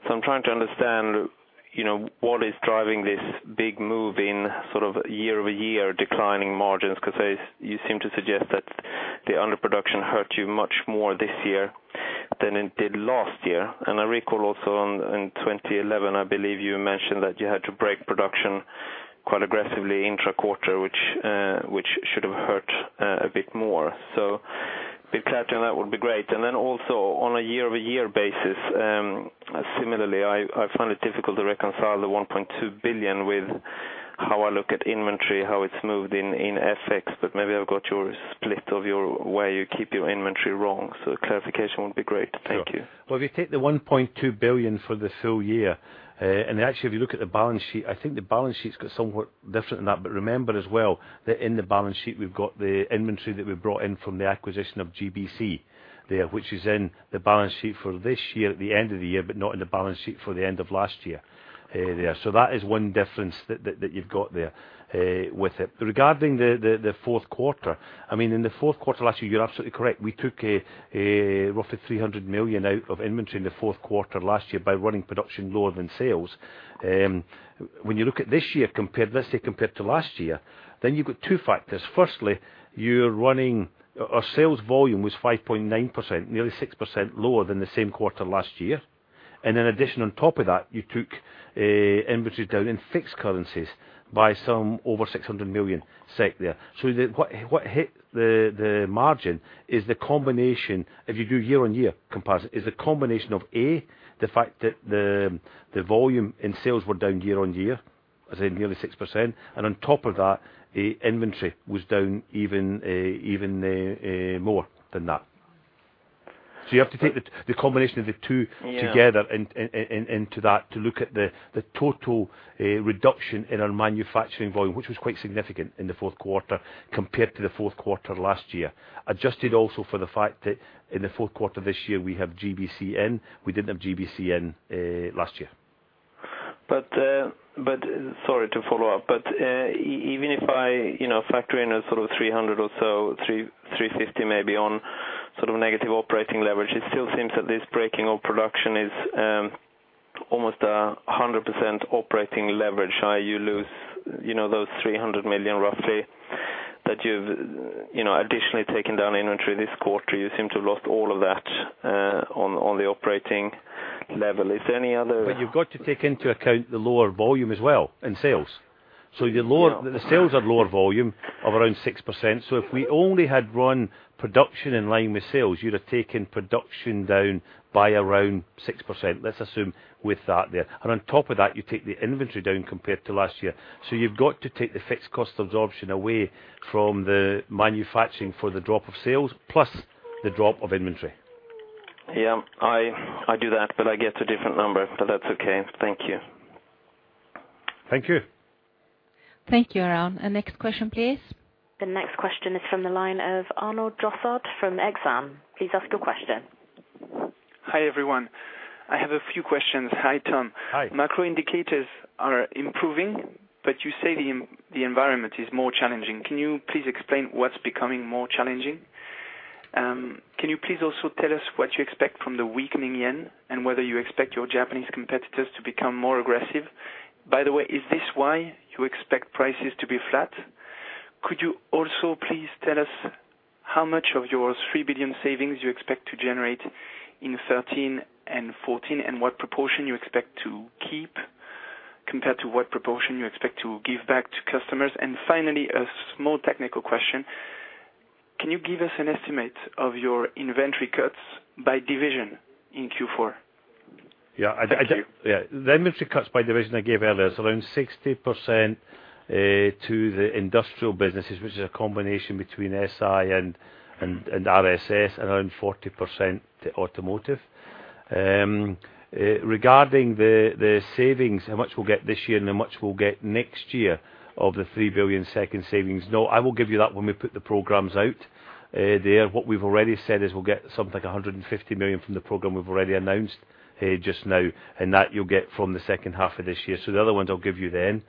So I'm trying to understand, you know, what is driving this big move in sort of year-over-year declining margins, 'cause you seem to suggest that the underproduction hurt you much more this year than it did last year. I recall also in 2011, I believe you mentioned that you had to break production quite aggressively intra-quarter, which should have hurt a bit more. So a bit clarity on that would be great. And then also on a year-over-year basis, similarly, I find it difficult to reconcile the 1.2 billion with how I look at inventory, how it's moved in FX, but maybe I've got your split of your way you keep your inventory wrong, so clarification would be great. Thank you. Well, if you take the 1.2 billion for this whole year, and actually, if you look at the balance sheet, I think the balance sheet's got somewhat different than that. But remember as well, that in the balance sheet, we've got the inventory that we brought in from the acquisition of GBC there, which is in the balance sheet for this year at the end of the year, but not in the balance sheet for the end of last year. Yeah. So that is one difference that you've got there with it. Regarding the fourth quarter, I mean, in the fourth quarter last year, you're absolutely correct. We took a roughly 300 million out of inventory in the fourth quarter last year by running production lower than sales. When you look at this year, compared, let's say, compared to last year, then you've got two factors. Firstly, you're running. Our sales volume was 5.9%, nearly 6% lower than the same quarter last year. And in addition, on top of that, you took inventory down in fixed currencies by over 600 million SEK there. So what hit the margin is the combination, if you do year-on-year comparison, of A, the fact that the volume in sales was down year-on-year, as in nearly 6%, and on top of that, the inventory was down even more than that. So you have to take the combination of the two- Yeah. together into that to look at the total reduction in our manufacturing volume, which was quite significant in the fourth quarter compared to the fourth quarter last year. Adjusted also for the fact that in the fourth quarter this year, we have GBC. We didn't have GBC last year. Sorry, to follow up. Even if I, you know, factor in a sort of 300 or so, 350 maybe on sort of negative operating leverage, it still seems that this breaking of production is almost 100% operating leverage. You lose, you know, those 300 million roughly, that you've, you know, additionally taken down inventory this quarter. You seem to have lost all of that on the operating level. Is there any other- But you've got to take into account the lower volume as well, in sales. Yeah. So the lower, the sales are lower volume of around 6%. So if we only had run production in line with sales, you'd have taken production down by around 6%. Let's assume with that there. And on top of that, you take the inventory down compared to last year. So you've got to take the fixed cost absorption away from the manufacturing for the drop of sales, plus the drop of inventory. Yeah, I, I do that, but I get a different number. But that's okay. Thank you. Thank you. Thank you, Aron. Next question, please. The next question is from the line of Arnold Josset from Exane. Please ask your question. Hi, everyone. I have a few questions. Hi, Tom. Hi. Macro indicators are improving, but you say the environment is more challenging. Can you please explain what's becoming more challenging? Can you please also tell us what you expect from the weakening yen and whether you expect your Japanese competitors to become more aggressive? By the way, is this why you expect prices to be flat? Could you also please tell us how much of your 3 billion savings you expect to generate in 2013 and 2014, and what proportion you expect to keep, compared to what proportion you expect to give back to customers? Finally, a small technical question. Can you give us an estimate of your inventory cuts by division in Q4? Yeah, I think- Thank you. Yeah. The inventory cuts by division I gave earlier is around 60% to the industrial businesses, which is a combination between SI and RSS, around 40% to automotive. Regarding the savings, how much we'll get this year, and how much we'll get next year of the 3 billion second savings. No, I will give you that when we put the programs out. There, what we've already said is we'll get something like 150 million from the program we've already announced, just now, and that you'll get from the second half of this year. So the other ones I'll give you then.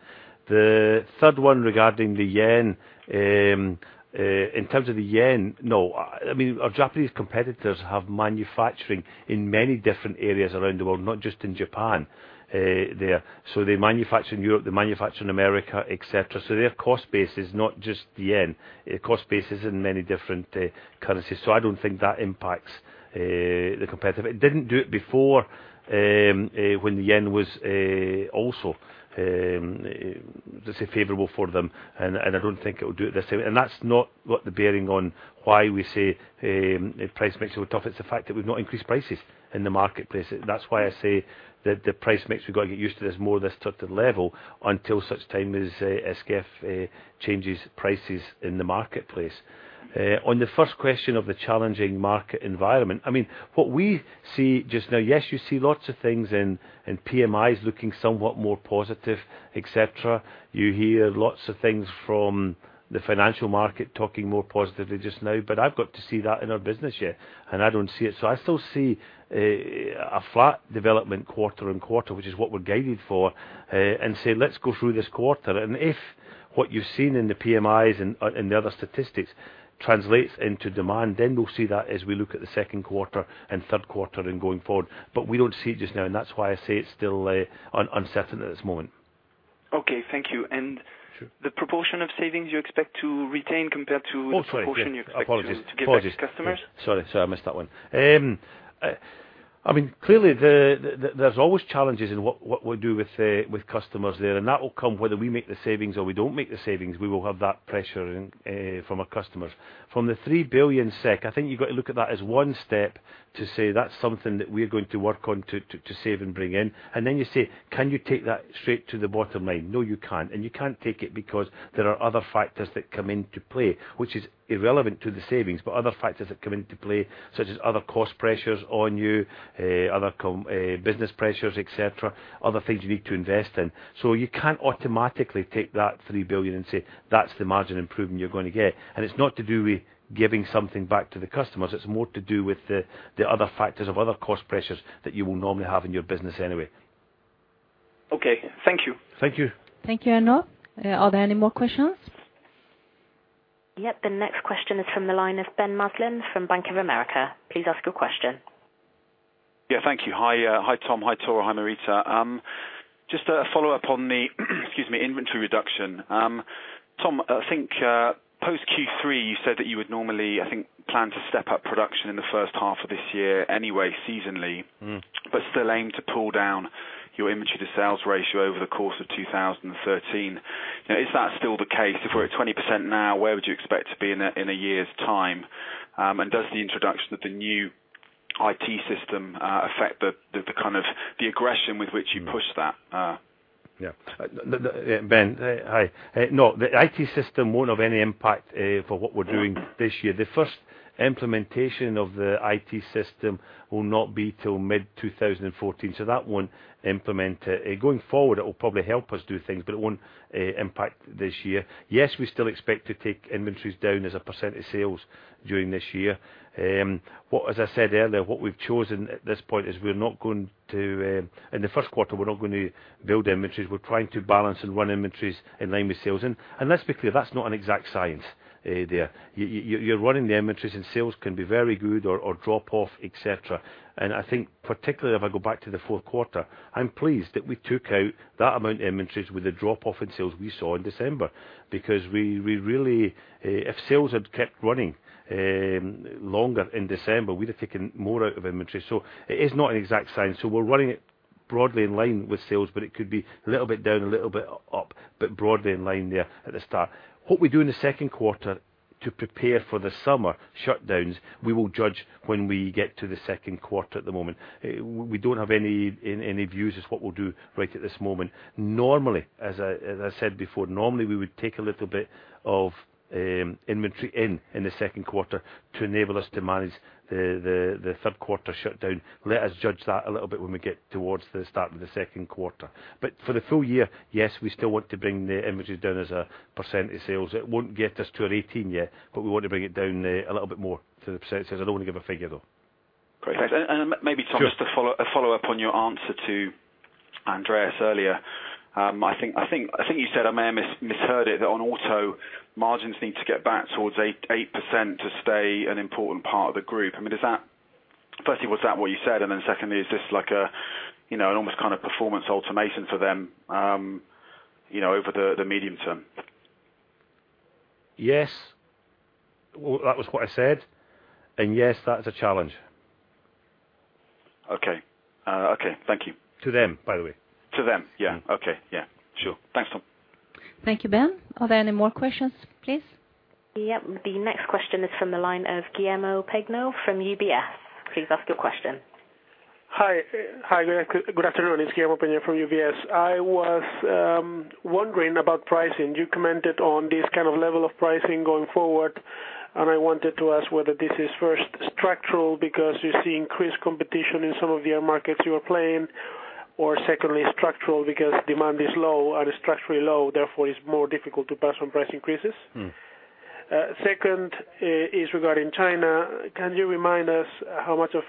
The third one, regarding the yen, in terms of the yen, no, I mean, our Japanese competitors have manufacturing in many different areas around the world, not just in Japan, there. So they manufacture in Europe, they manufacture in America, et cetera. So their cost base is not just the yen. Their cost base is in many different currencies, so I don't think that impacts the competitive. It didn't do it before, when the yen was also, let's say, favorable for them, and I don't think it will do it the same. And that's not got the bearing on why we say the price mix are tough. It's the fact that we've not increased prices in the marketplace. That's why I say that the price mix, we've got to get used to this more, this type of level, until such time as SKF changes prices in the marketplace. On the first question of the challenging market environment, I mean, what we see just now, yes, you see lots of things in, in PMIs looking somewhat more positive, et cetera. You hear lots of things from the financial market talking more positively just now, but I've got to see that in our business yet, and I don't see it. So I still see a, a flat development quarter and quarter, which is what we're guided for, and say, "Let's go through this quarter." And if what you've seen in the PMIs and, and the other statistics translates into demand, then we'll see that as we look at the second quarter and third quarter, and going forward. But we don't see it just now, and that's why I say it's still, uncertain at this moment. Okay, thank you. Sure. The proportion of savings you expect to retain compared to- Oh, sorry. the proportion you expect to- Apologies. Give back to customers? Sorry, sorry, I missed that one. I mean, clearly there's always challenges in what we do with customers there, and that will come whether we make the savings or we don't make the savings; we will have that pressure in from our customers. From the 3 billion SEK, I think you've got to look at that as one step to say, "That's something that we're going to work on to save and bring in." And then you say, "Can you take that straight to the bottom line?" No, you can't, and you can't take it because there are other factors that come into play, which is irrelevant to the savings, but other factors that come into play, such as other cost pressures on you, other business pressures, et cetera. Other things you need to invest in. You can't automatically take that 3 billion and say, "That's the margin improvement you're going to get." It's not to do with giving something back to the customers, it's more to do with the other factors of other cost pressures that you will normally have in your business anyway. Okay. Thank you. Thank you. Thank you, Arnold. Are there any more questions? Yep. The next question is from the line of Ben Maslen from Bank of America. Please ask your question. Yeah, thank you. Hi, Tom. Hi, Tor. Hi, Marita. Just a follow-up on the inventory reduction. Tom, I think post Q3, you said that you would normally, I think, plan to step up production in the first half of this year anyway, seasonally. Mm. But still aim to pull down your inventory to sales ratio over the course of 2013. Now, is that still the case? If we're at 20% now, where would you expect to be in a year's time? And does the introduction of the new IT system affect the kind of aggression with which you push that? Yeah. Ben, hi. No, the IT system won't have any impact for what we're doing this year. The first implementation of the IT system will not be till mid-2014, so that won't implement it. Going forward, it will probably help us do things, but it won't impact this year. Yes, we still expect to take inventories down as a percentage sales during this year. What... As I said earlier, what we've chosen at this point is we're not going to, in the first quarter, we're not going to build inventories. We're trying to balance and run inventories in line with sales. And, let's be clear, that's not an exact science there. You're running the inventories, and sales can be very good or drop off, et cetera. I think particularly, if I go back to the fourth quarter, I'm pleased that we took out that amount of inventories with the drop-off in sales we saw in December. Because we, we really, if sales had kept running longer in December, we'd have taken more out of inventory. So it is not an exact science, so we're running it broadly in line with sales, but it could be a little bit down, a little bit up, but broadly in line there at the start. What we do in the second quarter to prepare for the summer shutdowns, we will judge when we get to the second quarter. At the moment, we don't have any, any views as what we'll do right at this moment. Normally, as I, as I said before, normally, we would take a little bit of inventory in, in the second quarter to enable us to manage the, the, the third quarter shutdown. Let us judge that a little bit when we get towards the start of the second quarter. But for the full year, yes, we still want to bring the inventories down as a percentage sales. It won't get us to our 18 yet, but we want to bring it down, a little bit more to the percentages. I don't want to give a figure, though. Great. And maybe, Tom, just to follow up on your answer to Andreas earlier. I think you said, I may have misheard it, that on Auto, margins need to get back towards 8% to stay an important part of the group. I mean, does that... Firstly, was that what you said? And then secondly, is this like a, you know, an almost kind of performance automation for them, you know, over the medium term? Yes. Well, that was what I said. Yes, that's a challenge.... Okay. Okay, thank you. To them, by the way. To them? Mm-hmm. Yeah. Okay. Yeah, sure. Thanks, Tom. Thank you, Ben. Are there any more questions, please? Yep. The next question is from the line of Guillermo Peigneux from UBS. Please ask your question. Hi, good afternoon. It's Guillermo Peigneux from UBS. I was wondering about pricing. You commented on this kind of level of pricing going forward, and I wanted to ask whether this is first structural, because you see increased competition in some of your markets you are playing, or secondly, structural, because demand is low and structurally low, therefore, it's more difficult to pass on price increases. Mm. Second is regarding China. Can you remind us how much of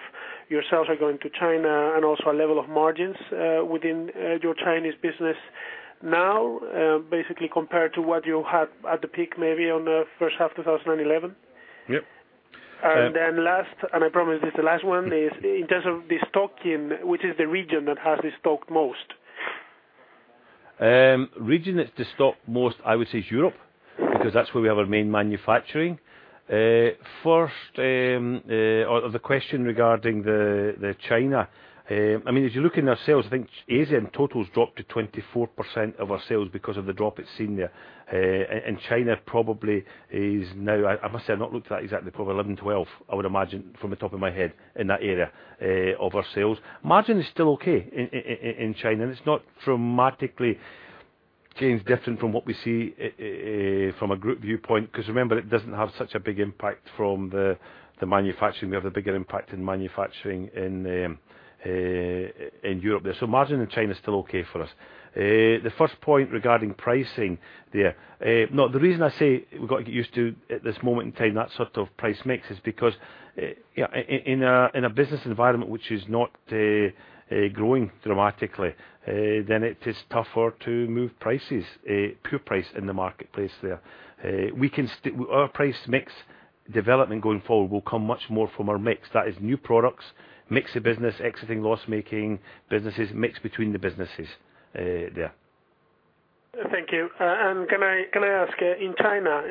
your sales are going to China and also a level of margins, within your Chinese business now, basically, compared to what you had at the peak, maybe on the first half of 2011? Yep. Uh- And then last, and I promise this is the last one, is in terms of the stocking, which is the region that has the stock most? The region that stuck most, I would say is Europe, because that's where we have our main manufacturing. First, on the question regarding the China. I mean, as you look in our sales, I think Asia in total has dropped to 24% of our sales because of the drop it's seen there. And China probably is now... I must say, I've not looked at that exactly, probably 11, 12, I would imagine, from the top of my head, in that area, of our sales. Margin is still okay in China, and it's not dramatically seems different from what we see, from a group viewpoint, because, remember, it doesn't have such a big impact from the manufacturing. We have a bigger impact in manufacturing in Europe there. So margin in China is still okay for us. The first point regarding pricing there, no, the reason I say we've got to get used to, at this moment in time, that sort of price mix, is because, in a business environment which is not growing dramatically, then it is tougher to move prices, poor price in the marketplace there. We can our price mix development going forward will come much more from our mix. That is, new products, mix of business, exiting loss-making businesses, mix between the businesses, there. Thank you. Can I ask, in China,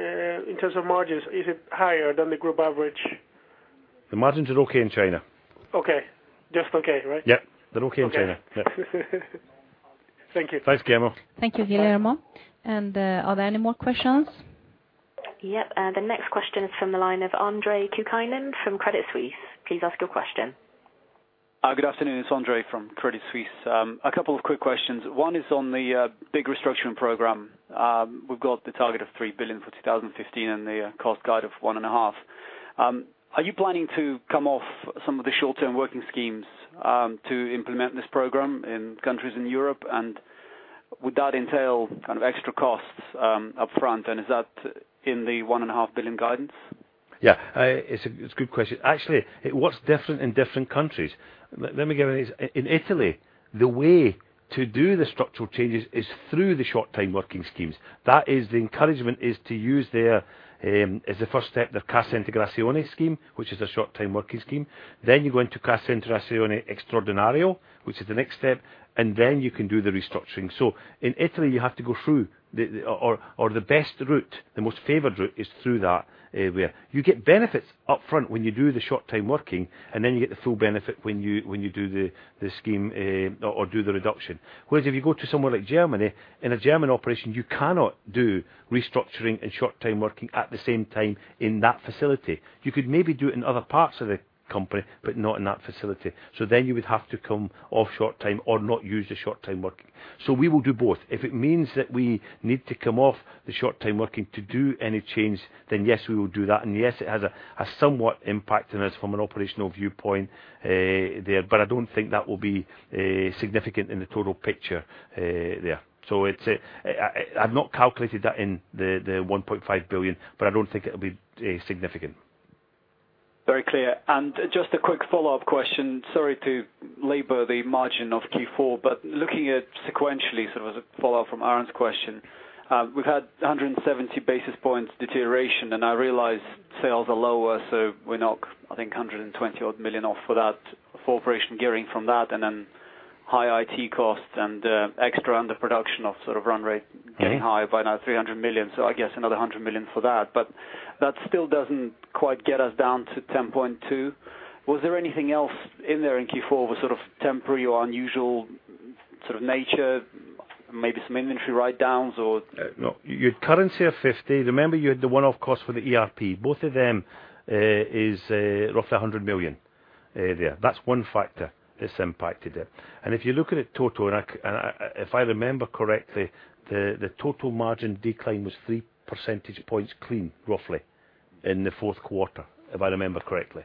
in terms of margins, is it higher than the group average? The margins are okay in China. Okay. Just okay, right? Yeah. They're okay in China. Thank you. Thanks, Guillermo. Thank you, Guillermo. Are there any more questions? Yep. The next question is from the line of André Kukhnin, from Credit Suisse. Pl ease ask your question. Good afternoon. It's André from Credit Suisse. A couple of quick questions. One is on the big restructuring program. We've got the target of 3 billion for 2015 and the cost guide of 1.5 billion. Are you planning to come off some of the short-term working schemes to implement this program in countries in Europe? And would that entail kind of extra costs up front? And is that in the 1.5 billion guidance? Yeah. It's a good question. Actually, it's what's different in different countries. Let me give you this. In Italy, the way to do the structural changes is through the short-time working schemes. That is, the encouragement is to use their, as a first step, the Cassa Integrazione scheme, which is a short-time working scheme. Then you go into Cassa Integrazione Straordinaria, which is the next step, and then you can do the restructuring. So in Italy, you have to go through the... Or the best route, the most favored route, is through that, where you get benefits up front when you do the short-time working, and then you get the full benefit when you do the scheme, or do the reduction. Whereas if you go to somewhere like Germany, in a German operation, you cannot do restructuring and short-time working at the same time in that facility. You could maybe do it in other parts of the company, but not in that facility. So then you would have to come off short time or not use the short-time working. So we will do both. If it means that we need to come off the short-time working to do any change, then, yes, we will do that, and yes, it has a somewhat impact on us from an operational viewpoint, there, but I don't think that will be significant in the total picture, there. So it's, I've not calculated that in the 1.5 billion, but I don't think it'll be significant. Very clear. Just a quick follow-up question. Sorry to labor the margin of Q4, but looking at sequentially, sort of as a follow-up from Aaron's question, we've had 170 basis points deterioration, and I realize sales are lower, so we're knock, I think, 120-odd million off for that, for operation gearing from that, and then high IT costs and extra underproduction of sort of run rate- Mm-hmm. Getting higher by now, 300 million, so I guess another 100 million for that, but that still doesn't quite get us down to 10.2. Was there anything else in there in Q4 with sort of temporary or unusual sort of nature, maybe some inventory write-downs or? No. You, you're currency of 50. Remember, you had the one-off cost for the ERP. Both of them, is, roughly 100 million, there. That's one factor that's impacted it. And if you look at it total, and I, if I remember correctly, the total margin decline was 3 percentage points clean, roughly, in the fourth quarter, if I remember correctly.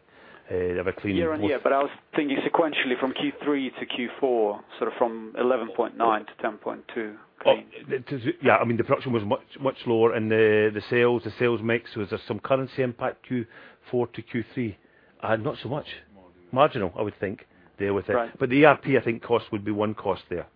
There were clean- Year-on-year, but I was thinking sequentially from Q3 to Q4, sort of from 11.9 to 10.2. Yeah, I mean, the production was much, much lower and the sales, the sales mix. Was there some currency impact, Q4 to Q3? Not so much. Marginal, I would think, there was it. Right. But the ERP, I think, cost would be one cost there.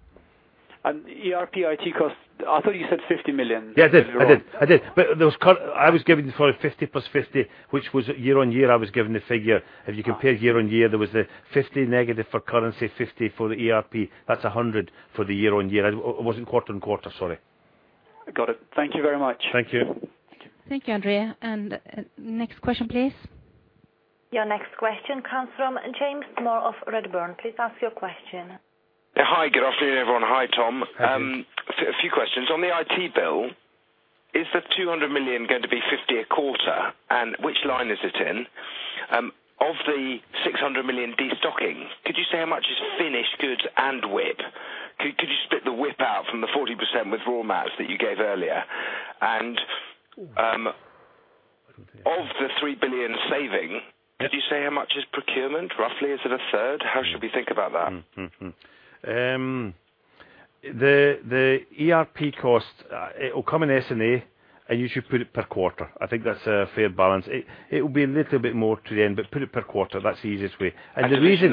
ERP, IT costs, I thought you said 50 million. Yeah, I did. If I'm wrong. I did, I did. But there was. I was giving for a 50 + 50, which was year-over-year. I was given the figure. Oh. If you compare year-on-year, there was a -50 for currency, 50 for the ERP. That's 100 for the year-on-year. It wasn't quarter-on-quarter, sorry.... Got it. Thank you very much. Thank you. Thank you, Andrea. Next question, please. Your next question comes from James Moore of Redburn. Please ask your question. Yeah, hi. Good afternoon, everyone. Hi, Tom. Hi. A few questions. On the IT bill, is the 200 million going to be 50 million a quarter, and which line is it in? Of the 600 million destocking, could you say how much is finished goods and WIP? Could you split the WIP out from the 40% with raw materials that you gave earlier? And, of the 3 billion saving, could you say how much is procurement, roughly? Is it a third? How should we think about that? The ERP cost, it will come in SNA, and you should put it per quarter. I think that's a fair balance. It will be a little bit more to the end, but put it per quarter, that's the easiest way. I see.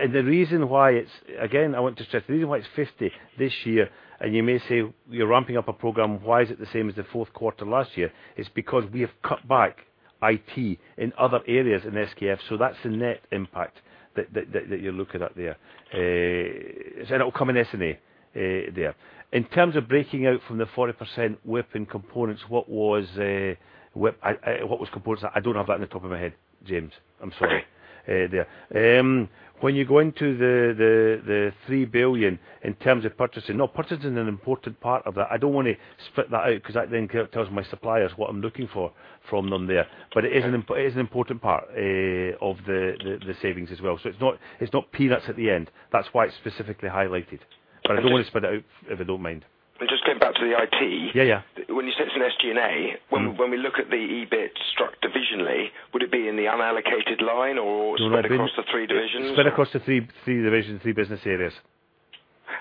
And the reason why it's— Again, I want to stress, the reason why it's 50 this year, and you may say you're ramping up a program, why is it the same as the fourth quarter last year? Is because we have cut back IT in other areas in SKF, so that's the net impact that you're looking at there. So it will come in SNA there. In terms of breaking out from the 40% WIP in components, what was WIP... what was components? I don't have that in the top of my head, James. I'm sorry, Okay. When you go into the 3 billion in terms of purchasing. No, purchasing is an important part of that. I don't want to split that out because that then tells my suppliers what I'm looking for from them there. But it is an important part of the savings as well. So it's not, it's not peanuts at the end. That's why it's specifically highlighted. But I just- But I don't want to spread it out, if you don't mind. Just getting back to the IT. Yeah, yeah. When you said it's an SG&A- Mm-hmm. When we look at the EBIT structure divisionally, would it be in the unallocated line or spread across the three divisions? Spread across the three, three divisions, three business areas.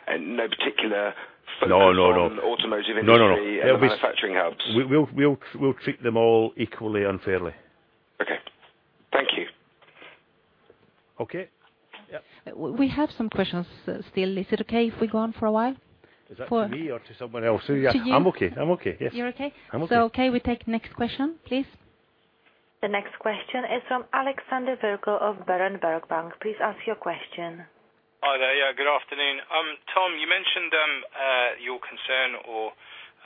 And no particular- No, no, no -focus on automotive industry- No, no, no. and manufacturing hubs. We'll treat them all equally and fairly. Okay. Thank you. Okay. Yep. We have some questions, still. Is it okay if we go on for a while? Is that to me or to someone else? To you. I'm okay. I'm okay, yes. You're okay? I'm okay. Okay, we take next question, please. The next question is from Alexander Sherwood of Berenberg Bank. Please ask your question. Hi there. Yeah, good afternoon. Tom, you mentioned your concern or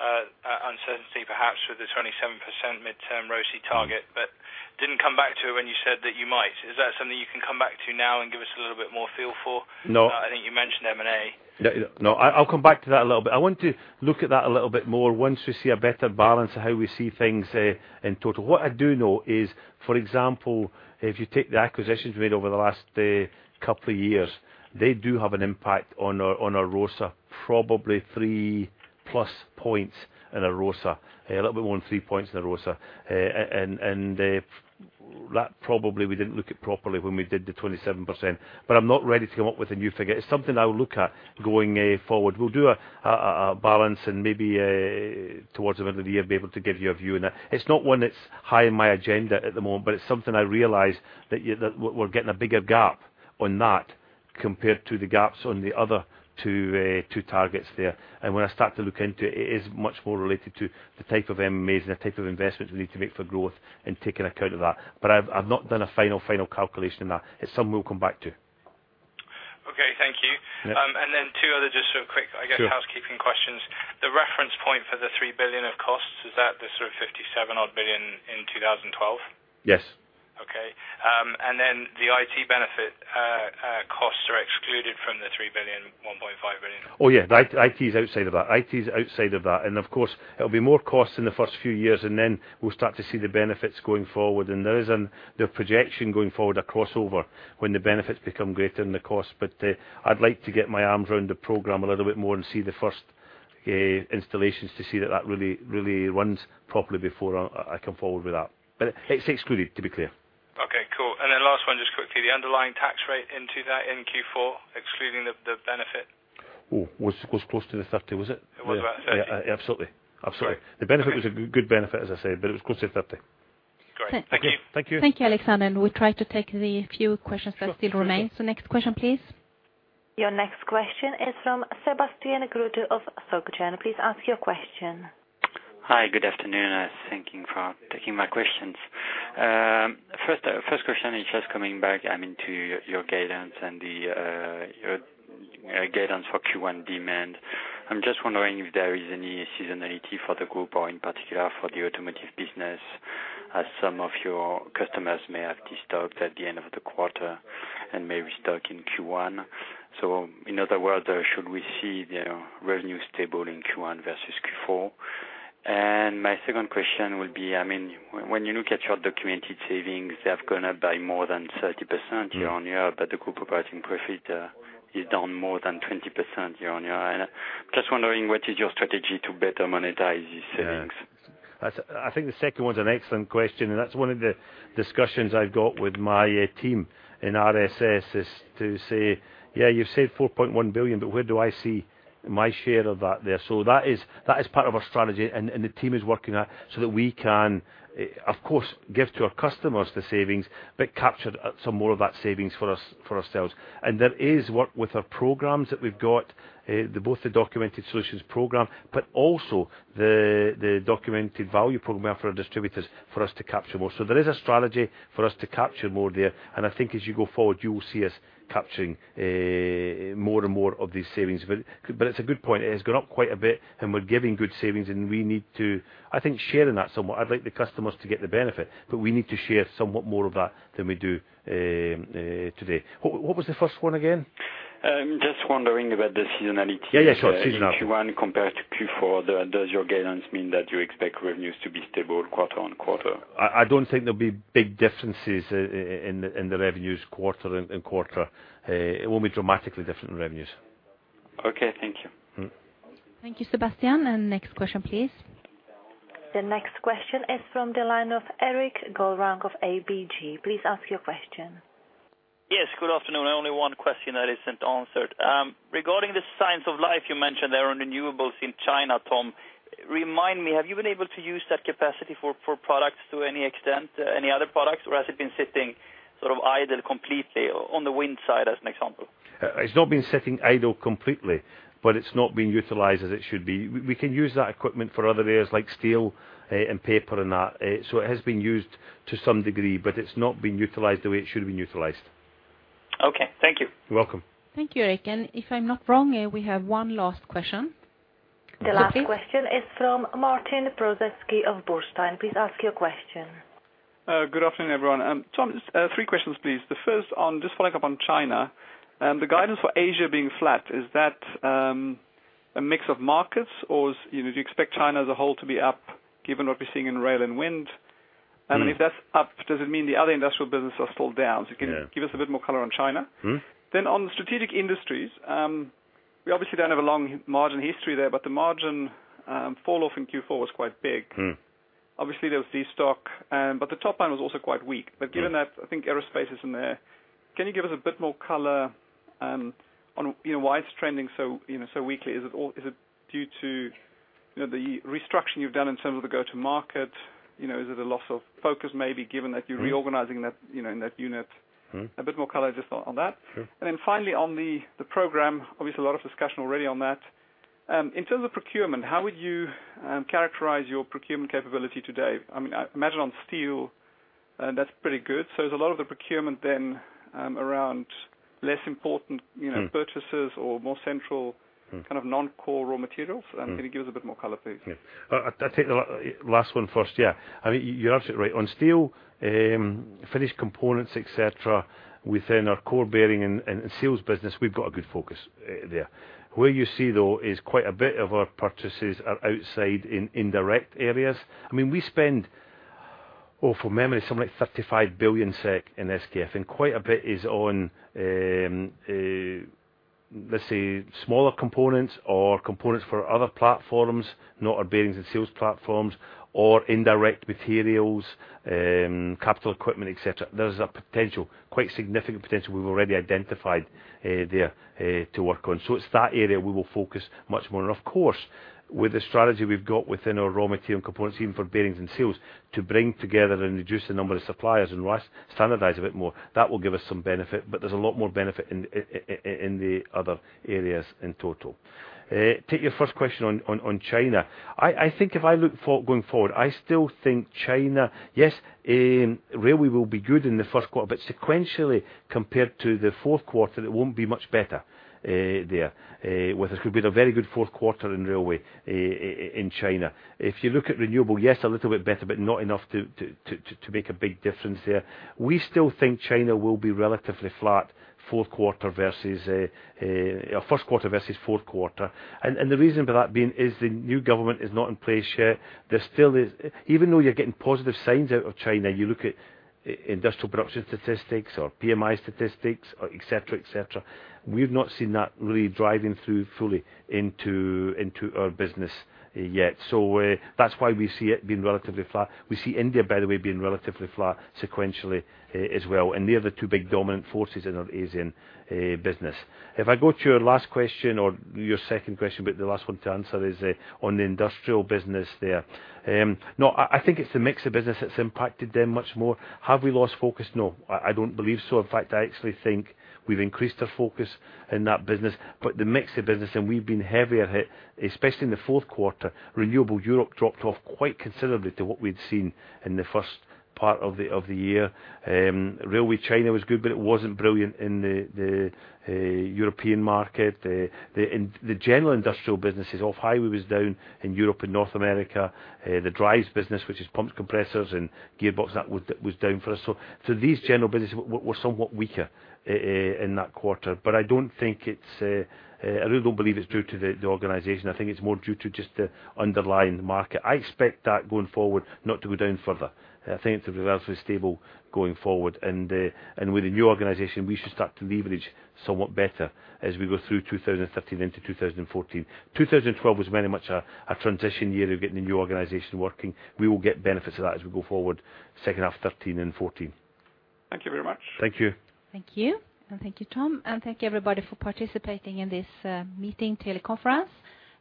uncertainty, perhaps with the 27% midterm ROCE target, but didn't come back to it when you said that you might. Is that something you can come back to now and give us a little bit more feel for? No. I think you mentioned M&A. No, I’ll come back to that a little bit. I want to look at that a little bit more once we see a better balance of how we see things in total. What I do know is, for example, if you take the acquisitions made over the last couple of years, they do have an impact on our ROCE, probably 3+ points in a ROCE, a little bit more than three points in a ROCE. And that probably we didn’t look at properly when we did the 27%. But I’m not ready to come up with a new figure. It’s something I’ll look at going forward. We’ll do a balance and maybe towards the end of the year be able to give you a view on that. It's not one that's high on my agenda at the moment, but it's something I realize that... that we're getting a bigger gap on that compared to the gaps on the other two targets there. And when I start to look into it, it is much more related to the type of M&As and the type of investments we need to make for growth and taking account of that. But I've not done a final calculation on that. It's something we'll come back to. Okay, thank you. Yeah. and then two other, just sort of quick- Sure. I guess, housekeeping questions. The reference point for the 3 billion of costs, is that the sort of 57-odd billion in 2012? Yes. Okay. And then the IT benefit costs are excluded from the 3 billion, 1.5 billion? Oh, yeah. IT, IT is outside of that. IT is outside of that, and of course, it'll be more costs in the first few years, and then we'll start to see the benefits going forward. And there is the projection going forward, a crossover, when the benefits become greater than the cost. But, I'd like to get my arms around the program a little bit more and see the first installations to see that that really, really runs properly before I come forward with that. But it's excluded, to be clear. Okay, cool. And then last one, just quickly, the underlying tax rate into that in Q4, excluding the benefit. Oh, was close to the thirty, was it? It was about 30. Absolutely. Absolutely. Great. The benefit was a good benefit, as I said, but it was close to 30. Great. Thank you. Thank you. Thank you, Alexander. We try to take the few questions that still remain. Sure. Next question, please. Your next question is from Sebastian Growe of SocGen. Please ask your question. Hi, good afternoon, and thank you for taking my questions. First question is just coming back, I mean, to your guidance and the your guidance for Q1 demand. I'm just wondering if there is any seasonality for the group or in particular for the automotive business, as some of your customers may have destocked at the end of the quarter and may restock in Q1. So in other words, should we see the revenue stable in Q1 versus Q4? And my second question would be, I mean, when, when you look at your documented savings, they have gone up by more than 30% year-on-year- Mm. But the group operating profit is down more than 20% year-on-year. And just wondering, what is your strategy to better monetize these savings? Yeah. That's. I think the second one's an excellent question, and that's one of the discussions I've got with my team in RSS, is to say: Yeah, you've said 4.1 billion, but where do I see my share of that there? So that is, that is part of our strategy, and the team is working on it, so that we can, of course, give to our customers the savings, but capture some more of that savings for us, for ourselves. And there is work with our programs that we've got, both the documented solutions program, but also the documented value program we have for our distributors for us to capture more. So there is a strategy for us to capture more there, and I think as you go forward, you will see us capturing more and more of these savings. But it's a good point. It has gone up quite a bit, and we're giving good savings, and we need to, I think, sharing that somewhat. I'd like the customers to get the benefit, but we need to share somewhat more of that than we do today. What was the first one again? Just wondering about the seasonality- Yeah, yeah, sure. Seasonality. Q1 compared to Q4, does your guidance mean that you expect revenues to be stable quarter on quarter? I don't think there'll be big differences in the revenues quarter and quarter. It won't be dramatically different in revenues. Okay, thank you. Mm-hmm. Thank you, Sebastian. And next question, please. The next question is from the line of Eric Göransson of ABG. Please ask your question. Yes, good afternoon. Only one question that isn't answered. Regarding the Sinovel you mentioned there are renewables in China, Tom. Remind me, have you been able to use that capacity for products to any extent, any other products, or has it been sitting sort of idle completely on the wind side, as an example? It's not been sitting idle completely, but it's not been utilized as it should be. We can use that equipment for other areas like steel, and paper and that. So it has been used to some degree, but it's not been utilized the way it should have been utilized. Okay. Thank you. You're welcome. Thank you, Eric. If I'm not wrong, we have one last question. The last question is from Martin Prozesky of Bernstein. Please ask your question. Good afternoon, everyone. Tom, three questions, please. The first on just following up on China, the guidance for Asia being flat, is that a mix of markets, or do you expect China as a whole to be up, given what we're seeing in rail and wind? Mm-hmm. If that's up, does it mean the other industrial businesses fall down? Yeah. Can you give us a bit more color on China? Mm-hmm. On the Strategic Industries, we obviously don't have a long margin history there, but the margin falloff in Q4 was quite big. Mm-hmm. Obviously, there was destock, but the top line was also quite weak. Yeah. But given that, I think aerospace is in there, can you give us a bit more color on, you know, why it's trending so, you know, so weakly? Is it due to, you know, the restructuring you've done in terms of the go-to market? You know, is it a loss of focus, maybe, given that- Mm-hmm... you're reorganizing that, you know, in that unit? Mm-hmm. A bit more color just on that. Sure. And then finally on the program, obviously, a lot of discussion already on that. In terms of procurement, how would you characterize your procurement capability today? I mean, I imagine on steel, that's pretty good. So is a lot of the procurement then around less important- Mm-hmm... purchases or more central- Mm-hmm... kind of non-core raw materials? Mm-hmm. Can you give us a bit more color, please? Yeah. I take the last one first. Yeah. I mean, you're absolutely right. On steel, finished components, et cetera, within our core bearing and seals business, we've got a good focus there. Where you see, though, is quite a bit of our purchases are outside in indirect areas. I mean, we spend, off of memory, something like 35 billion SEK in SG&A, and quite a bit is on, let's say, smaller components or components for other platforms, not our bearings and seals platforms or indirect materials, capital equipment, et cetera. There's a potential, quite significant potential we've already identified, there, to work on. So it's that area we will focus much more on. Of course, with the strategy we've got within our raw material components, even for bearings and seals, to bring together and reduce the number of suppliers and standardize a bit more, that will give us some benefit, but there's a lot more benefit in the other areas in total. Take your first question on China. I think if I look going forward, I still think China. Yes, railway will be good in the first quarter, but sequentially, compared to the fourth quarter, it won't be much better there. With it, it could be a very good fourth quarter in railway in China. If you look at renewable, yes, a little bit better, but not enough to make a big difference there. We still think China will be relatively flat, fourth quarter versus first quarter versus fourth quarter. And the reason for that being is the new government is not in place yet. There still is. Even though you're getting positive signs out of China, you look at industrial production statistics or PMI statistics, et cetera, et cetera, we've not seen that really driving through fully into our business yet. So, that's why we see it being relatively flat. We see India, by the way, being relatively flat sequentially as well, and they are the two big dominant forces in our Asian business. If I go to your last question or your second question, but the last one to answer, is on the industrial business there. No, I think it's the mix of business that's impacted them much more. Have we lost focus? No, I don't believe so. In fact, I actually think we've increased our focus in that business, but the mix of business and we've been heavier hit, especially in the fourth quarter. Renewable Europe dropped off quite considerably to what we'd seen in the first part of the year. Railway China was good, but it wasn't brilliant in the European market. The general industrial business is off high, was down in Europe and North America. The drives business, which is pumps, compressors, and gearbox, that was down for us. So these general business were somewhat weaker in that quarter. But I don't think it's, I really don't believe it's due to the organization. I think it's more due to just the underlying market. I expect that going forward, not to go down further. I think it's relatively stable going forward, and with the new organization, we should start to leverage somewhat better as we go through 2013 into 2014. 2012 was very much a transition year of getting the new organization working. We will get benefits of that as we go forward, second half 2013 and 2014. Thank you very much. Thank you. Thank you. Thank you, Tom, and thank you, everybody, for participating in this meeting teleconference.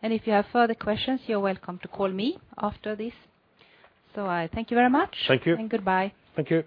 If you have further questions, you're welcome to call me after this. I thank you very much. Thank you. And goodbye. Thank you.